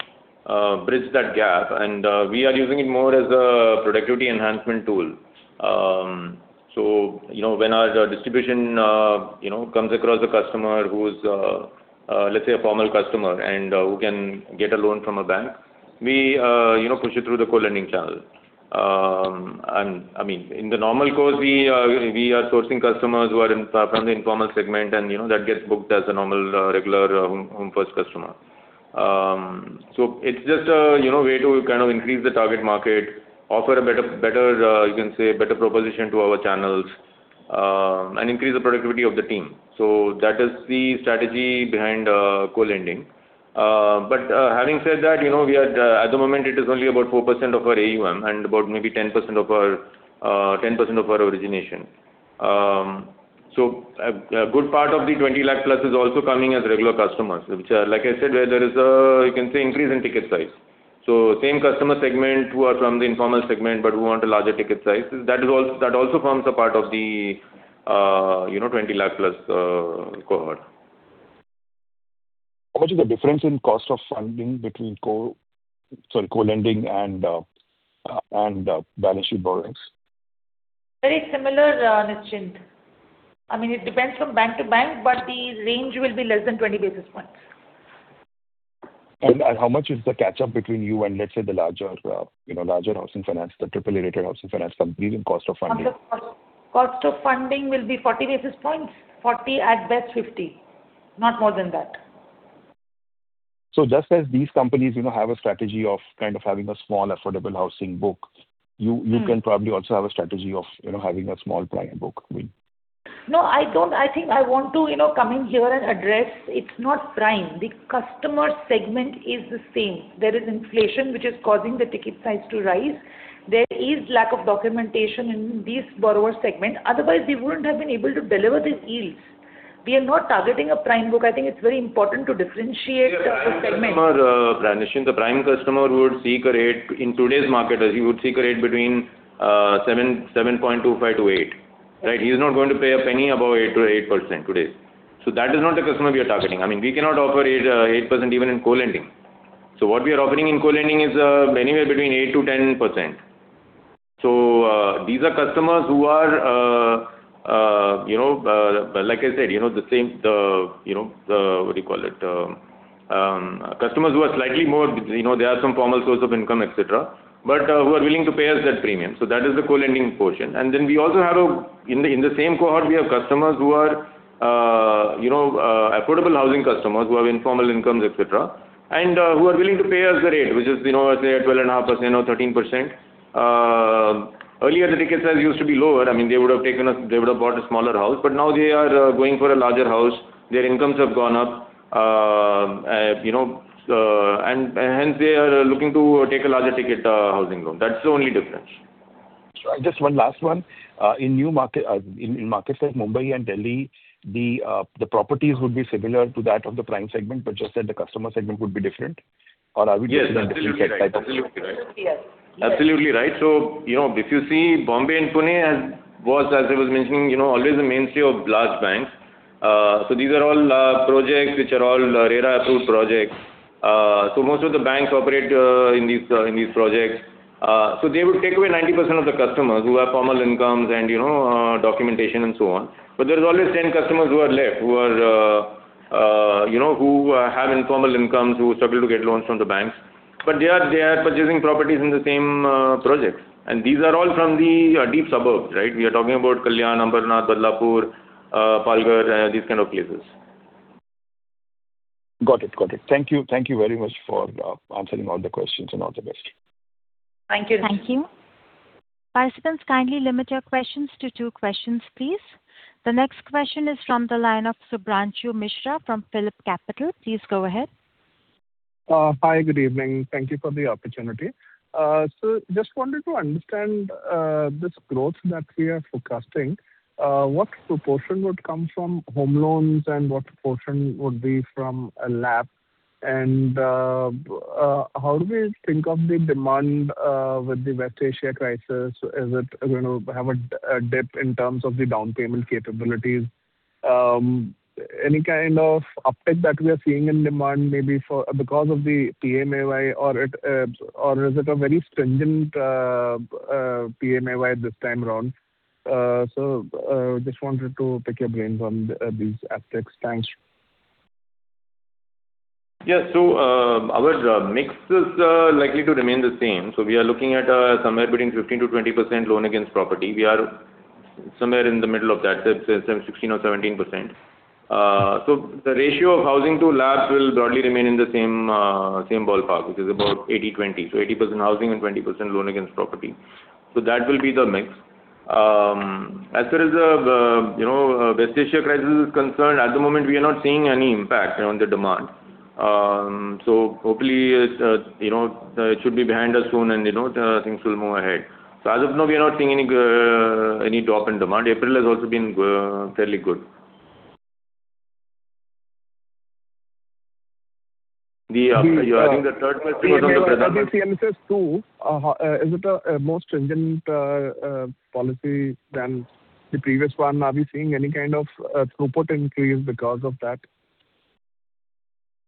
bridge that gap, and we are using it more as a productivity enhancement tool. You know, when our distribution, you know, comes across a customer who is, let's say a formal customer and who can get a loan from a bank, we, you know, push it through the co-lending channel. I mean, in the normal course, we are sourcing customers who are in, from the informal segment and, you know, that gets booked as a normal, regular Home First customer. It's just a, you know, way to kind of increase the target market, offer a better, you can say, better proposition to our channels, and increase the productivity of the team. That is the strategy behind co-lending. Having said that, you know, we are at the moment, it is only about 4% of our AUM and about maybe 10% of our origination. A good part of the 20 lakh plus is also coming as regular customers, which are, like I said, where there is a, you can say, increase in ticket size. Same customer segment who are from the informal segment but who want a larger ticket size, that also forms a part of the, you know, 20 lakh plus cohort. How much is the difference in cost of funding between sorry, co-lending and balance sheet borrowings? Very similar, Nischint. I mean, it depends from bank to bank, but the range will be less than 20 basis points. How much is the catch-up between you and let's say the larger housing finance, the AAA-rated housing finance companies, in cost of funding? On the cost of funding will be 40 basis points. 40 basis points, at best 50 basis points, not more than that. Just as these companies, you know, have a strategy of kind of having a small affordable housing book. You can probably also have a strategy of, you know, having a small prime book. No, I don't. I think I want to, you know, come in here and address. It's not prime. The customer segment is the same. There is inflation, which is causing the ticket size to rise. There is a lack of documentation in this borrower segment, otherwise we wouldn't have been able to deliver these yields. We are not targeting a prime book. I think it's very important to differentiate the segment. The prime customer, Nischint, the prime customer would seek a rate in today's market, as you would seek a rate between 7%, 7.25% to 8%. Right? He's not going to pay a penny above 8% today. That is not the customer we are targeting. I mean, we cannot offer 8% even in co-lending. What we are offering in co-lending is anywhere between 8%-10%. These are customers who are, you know, like I said, you know, the same, you know, the what do you call it? Customers who are slightly more, you know, they have some formal source of income, et cetera, but who are willing to pay us that premium. That is the co-lending portion. We also have in the same cohort, we have customers who are, you know, affordable housing customers who have informal incomes, et cetera, and who are willing to pay us the rate, which is, you know, let's say at 12.5 % or 13%. Earlier the ticket size used to be lower. I mean, they would have bought a smaller house, but now they are going for a larger house. Their incomes have gone up, You know, and hence they are looking to take a larger ticket housing loan. That's the only difference. Just one last one. In markets like Mumbai and Delhi, the properties would be similar to that of the prime segment, but just that the customer segment would be different, or are we looking at a different set? Yes. Absolutely right. You know, if you see Bombay and Pune as I was mentioning, you know, always the mainstay of large banks. These are all projects which are all RERA-approved projects. Most of the banks operate in these in these projects. They would take away 90% of the customers who have formal incomes and, you know, documentation and so on. There's always 10 customers who are left, who are, you know, who have informal incomes, who struggle to get loans from the banks. They are purchasing properties in the same project. These are all from the deep suburbs, right? We are talking about Kalyan, Ambernath, Badlapur, Palghar, these kinds of places. Got it. Thank you. Thank you very much for answering all the questions, and all the best. Thank you. Thank you. Participants, kindly limit your questions to two questions, please. The next question is from the line of Shubhranshu Mishra from PhillipCapital. Please go ahead. Hi, good evening. Thank you for the opportunity. Just wanted to understand, this growth that we are forecasting, what proportion would come from home loans and what proportion would be from a LAP? How do we think of the demand with the West Asia crisis? Is it gonna have a dip in terms of the down payment capabilities? Any kind of uptick that we are seeing in demand may be for because of the PMAY, or is it a very stringent PMAY this time around? Just wanted to pick your brains on these aspects. Thanks. Our mix is likely to remain the same. We are looking at somewhere between 15%-20% loan against property. We are somewhere in the middle of that, say 16% or 17%. The ratio of housing to LAPs will broadly remain in the same ballpark, which is about 80/20. 80% housing and 20% loan against property. That will be the mix. As far as the, you know, West Asia crisis is concerned, at the moment, we are not seeing any impact on the demand. Hopefully it's, you know, it should be behind us soon and, you know, things will move ahead. As of now, we are not seeing any drop in demand. April has also been fairly good. I think the third question was on. Regarding CLSS 2, is it a more stringent policy than the previous one? Are we seeing any kind of throughput increase because of that?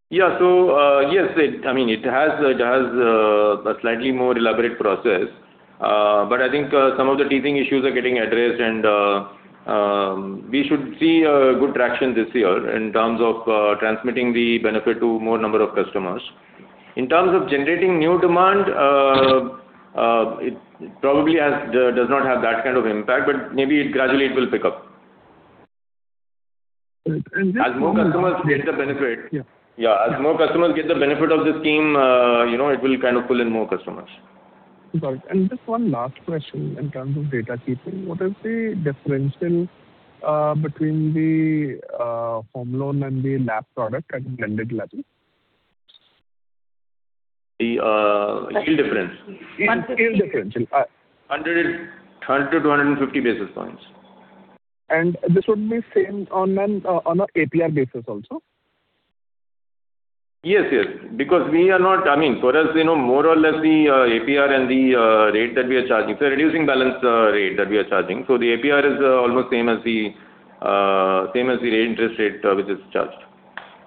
Yes, it has a slightly more elaborate process. I think some of the teething issues are getting addressed, and we should see good traction this year in terms of transmitting the benefit to more number of customers. In terms of generating new demand, it does not have that kind of impact, but maybe gradually it will pick up. Right. As more customers get the benefit. Yeah. Yeah. As more customers get the benefit of this scheme, you know, it will kind of pull in more customers. Got it. Just one last question in terms of data keeping. What is the difference between the home loan and the LAP product at the blended level? The yield difference. Yield, yield differential. 100-250 basis points. This would be the same on an, on an APR basis also? Yes, yes. We are not I mean, for us, you know, more or less the APR and the rate that we are charging. It's a reducing balance rate that we are charging. The APR is almost same as the same as the rate interest rate which is charged.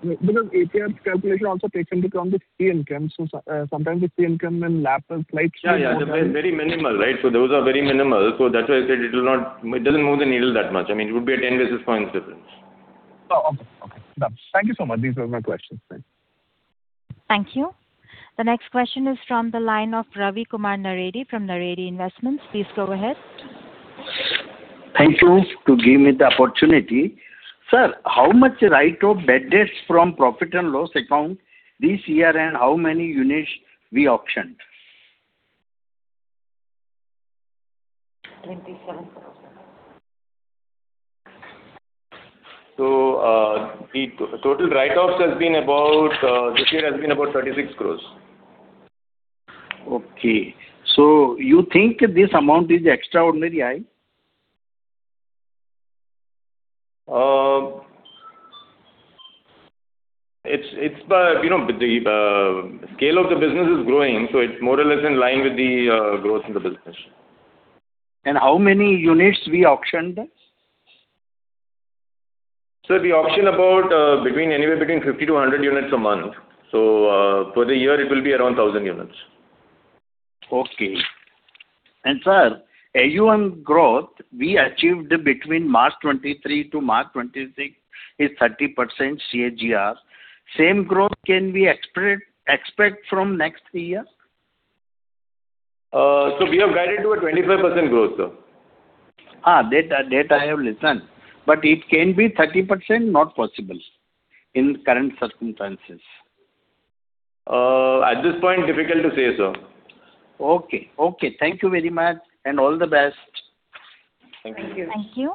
Because the APR calculation also takes into account the fee income. Sometimes the fee income and LAP is slightly more than. Yeah, yeah. Very minimal, right? Those are very minimal. That's why I said it doesn't move the needle that much. I mean, it would be a 10 basis points difference. Oh, okay. Okay. Done. Thank you so much. These are my questions. Thanks. Thank you. The next question is from the line of Ravi Kumar Naredi from Naredi Investments. Please go ahead. Thank you for giving me the opportunity. Sir, how much write-off of bad debts from the profit and loss account this year, and how many units did we auction? 27,000. The total write-offs has been about this year has been about 36 crore. Okay. You think this amount is extraordinarily high? It's per, you know, the scale of the business is growing, so it's more or less in line with the growth in the business. How many units did we auction? Sir, we auction about, between anywhere between 50-100 units a month. For the year, it will be around 1,000 units. Okay. Sir, AUM growth we achieved between March 2023 to March 2026 is 30% CAGR. Can we expect the same growth from next year? We have guided to a 25% growth, sir. That I have listened. It can be 30% not possible in current circumstances? At this point, difficult to say, sir. Okay. Okay. Thank you very much and all the best. Thank you. Thank you.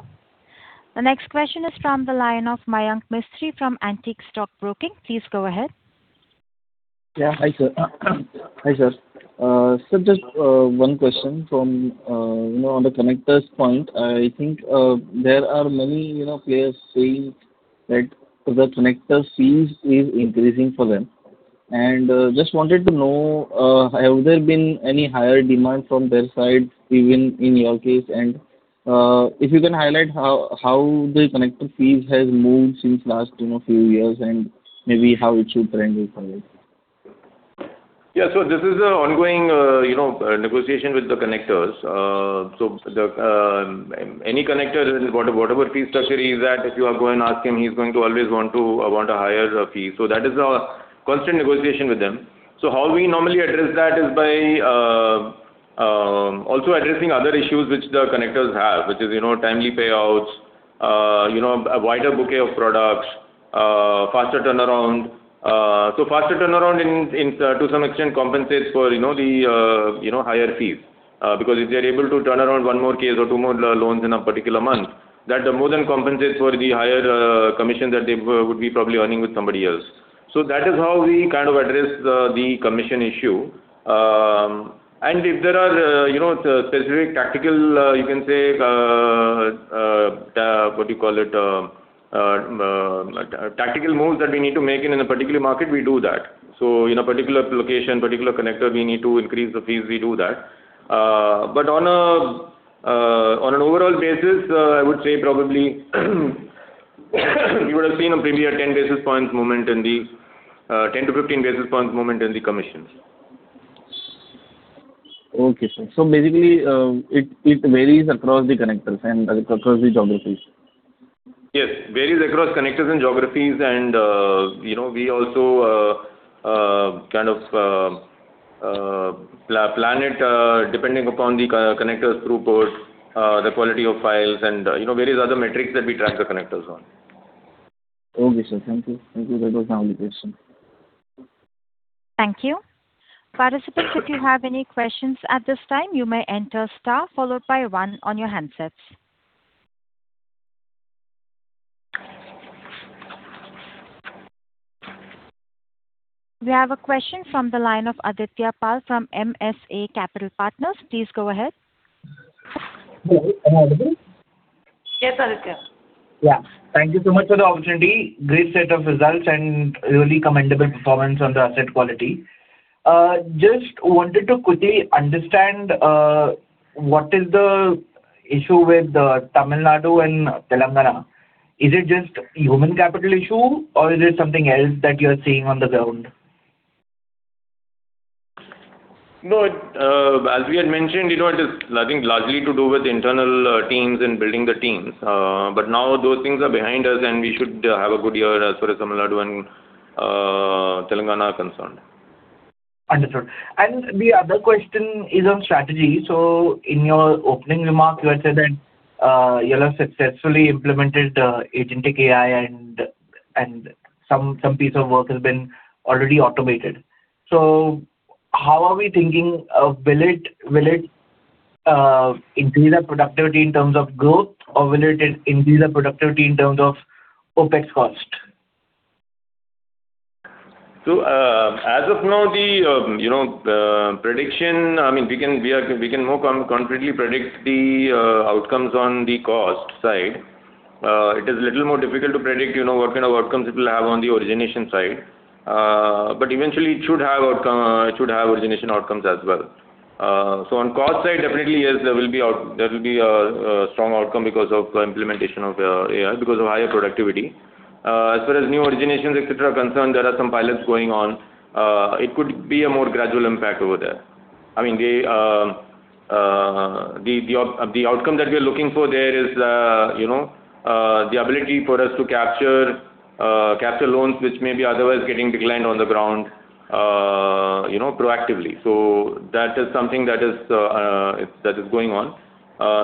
The next question is from the line of Mayank Mistry from Antique Stock Broking. Please go ahead. Yeah. Hi, sir. Hi, sir. Sir, just one question from, you know, on the connectors point. I think there are many, you know, players saying that the connector fees is increasing for them. Just wanted to know, have there been any higher demands from their side, even in your case? If you can highlight how the connector fees have moved since last, you know, few years and maybe how it should trend going forward. Yeah. This is a ongoing, you know, negotiation with the connectors. Any connector, whatever fee structure he's at, if you are going to ask him, he's going to always want to want a higher fee. That is our constant negotiation with them. How we normally address that is by also addressing other issues which the connectors have, which is, you know, timely payouts, you know, a wider bouquet of products, faster turnaround. Faster turnaround in to some extent, compensates for, you know, the, you know, higher fees. Because if they're able to turn around one more case or two more loans in a particular month, that more than compensates for the higher commission that they would probably be earning with somebody else. That is how we kind of address the commission issue. If there are, you know, specific tactical moves that we need to make in a particular market, we do that. In a particular location, a particular connector, we need to increase the fees; we do that. On an overall basis, I would say probably you would have seen a premium 10 basis points movement in the 10-15 basis points movement in the commissions. Okay, sir. Basically, it varies across the connectors and across the geographies. Yes. Varies across connectors and geographies and, and you know, we also kind of plan it depending upon the connectors' throughput, the quality of files and, you know, various other metrics that we track the connectors on. Okay, sir. Thank you. Thank you. That was my only question. Thank you. Participants, if you have any questions at this time, you may enter star followed by one on your handsets. We have a question from the line of Aditya Pal from MSA Capital Partners. Please go ahead. Hello. Am I audible? Yes, Aditya. Yeah. Thank you so much for the opportunity. Great set of results and really commendable performance on the asset quality. Just wanted to quickly understand what is the issue with Tamil Nadu and Telangana. Is it just a human capital issue, or is it something else that you're seeing on the ground? No. As we had mentioned, you know, it is, I think, largely to do with internal teams and building the teams. Now those things are behind us, and we should have a good year as far as Tamil Nadu and Telangana are concerned. Understood. The other question is on strategy. In your opening remark, you had said that, you all have successfully implemented agentic AI, and some piece of work has already been automated. How are we thinking of will it increase our productivity in terms of growth, or will it increase our productivity in terms of OpEx cost? As of now the, you know, the prediction I mean, we can more completely predict the outcomes on the cost side. It is a little more difficult to predict, you know, what kind of outcomes it will have on the origination side. But eventually it should have outcome, it should have origination outcomes as well. On the cost side, definitely, yes, there will be a strong outcome because of the implementation of AI, because of higher productivity. As far as new originations, et cetera, are concerned, there are some pilots going on. It could be a more gradual impact over there. I mean, the outcome that we are looking for there is, you know, the ability for us to capture loans which may be otherwise getting declined on the ground, you know, proactively. That is something that is that is going on.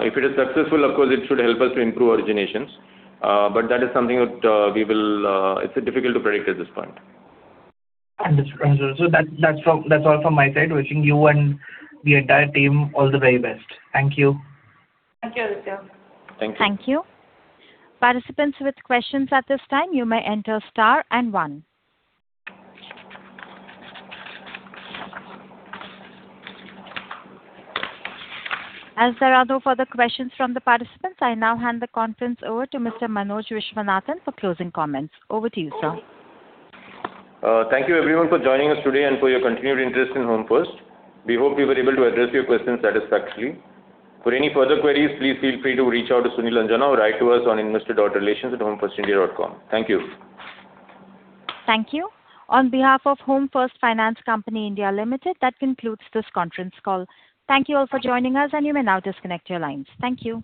If it is successful, of course, it should help us to improve originations. That is something that we will, it's difficult to predict at this point. Understood. Understood. That's all from my side. Wishing you and the entire team all the very best. Thank you. Thank you, Aditya. Thank you. Thank you. Participants with questions at this time, you may enter star and one. As there are no further questions from the participants, I now hand the conference over to Mr. Manoj Viswanathan for closing comments. Over to you, sir. Thank you, everyone, for joining us today and for your continued interest in Home First. We hope we were able to address your questions satisfactorily. For any further queries, please feel free to reach out to Sunil Anjana or write to us on investor.relations@homefirstindia.com. Thank you. Thank you. On behalf of Home First Finance Company India Limited, that concludes this conference call. Thank you all for joining us, and you may now disconnect your lines. Thank you.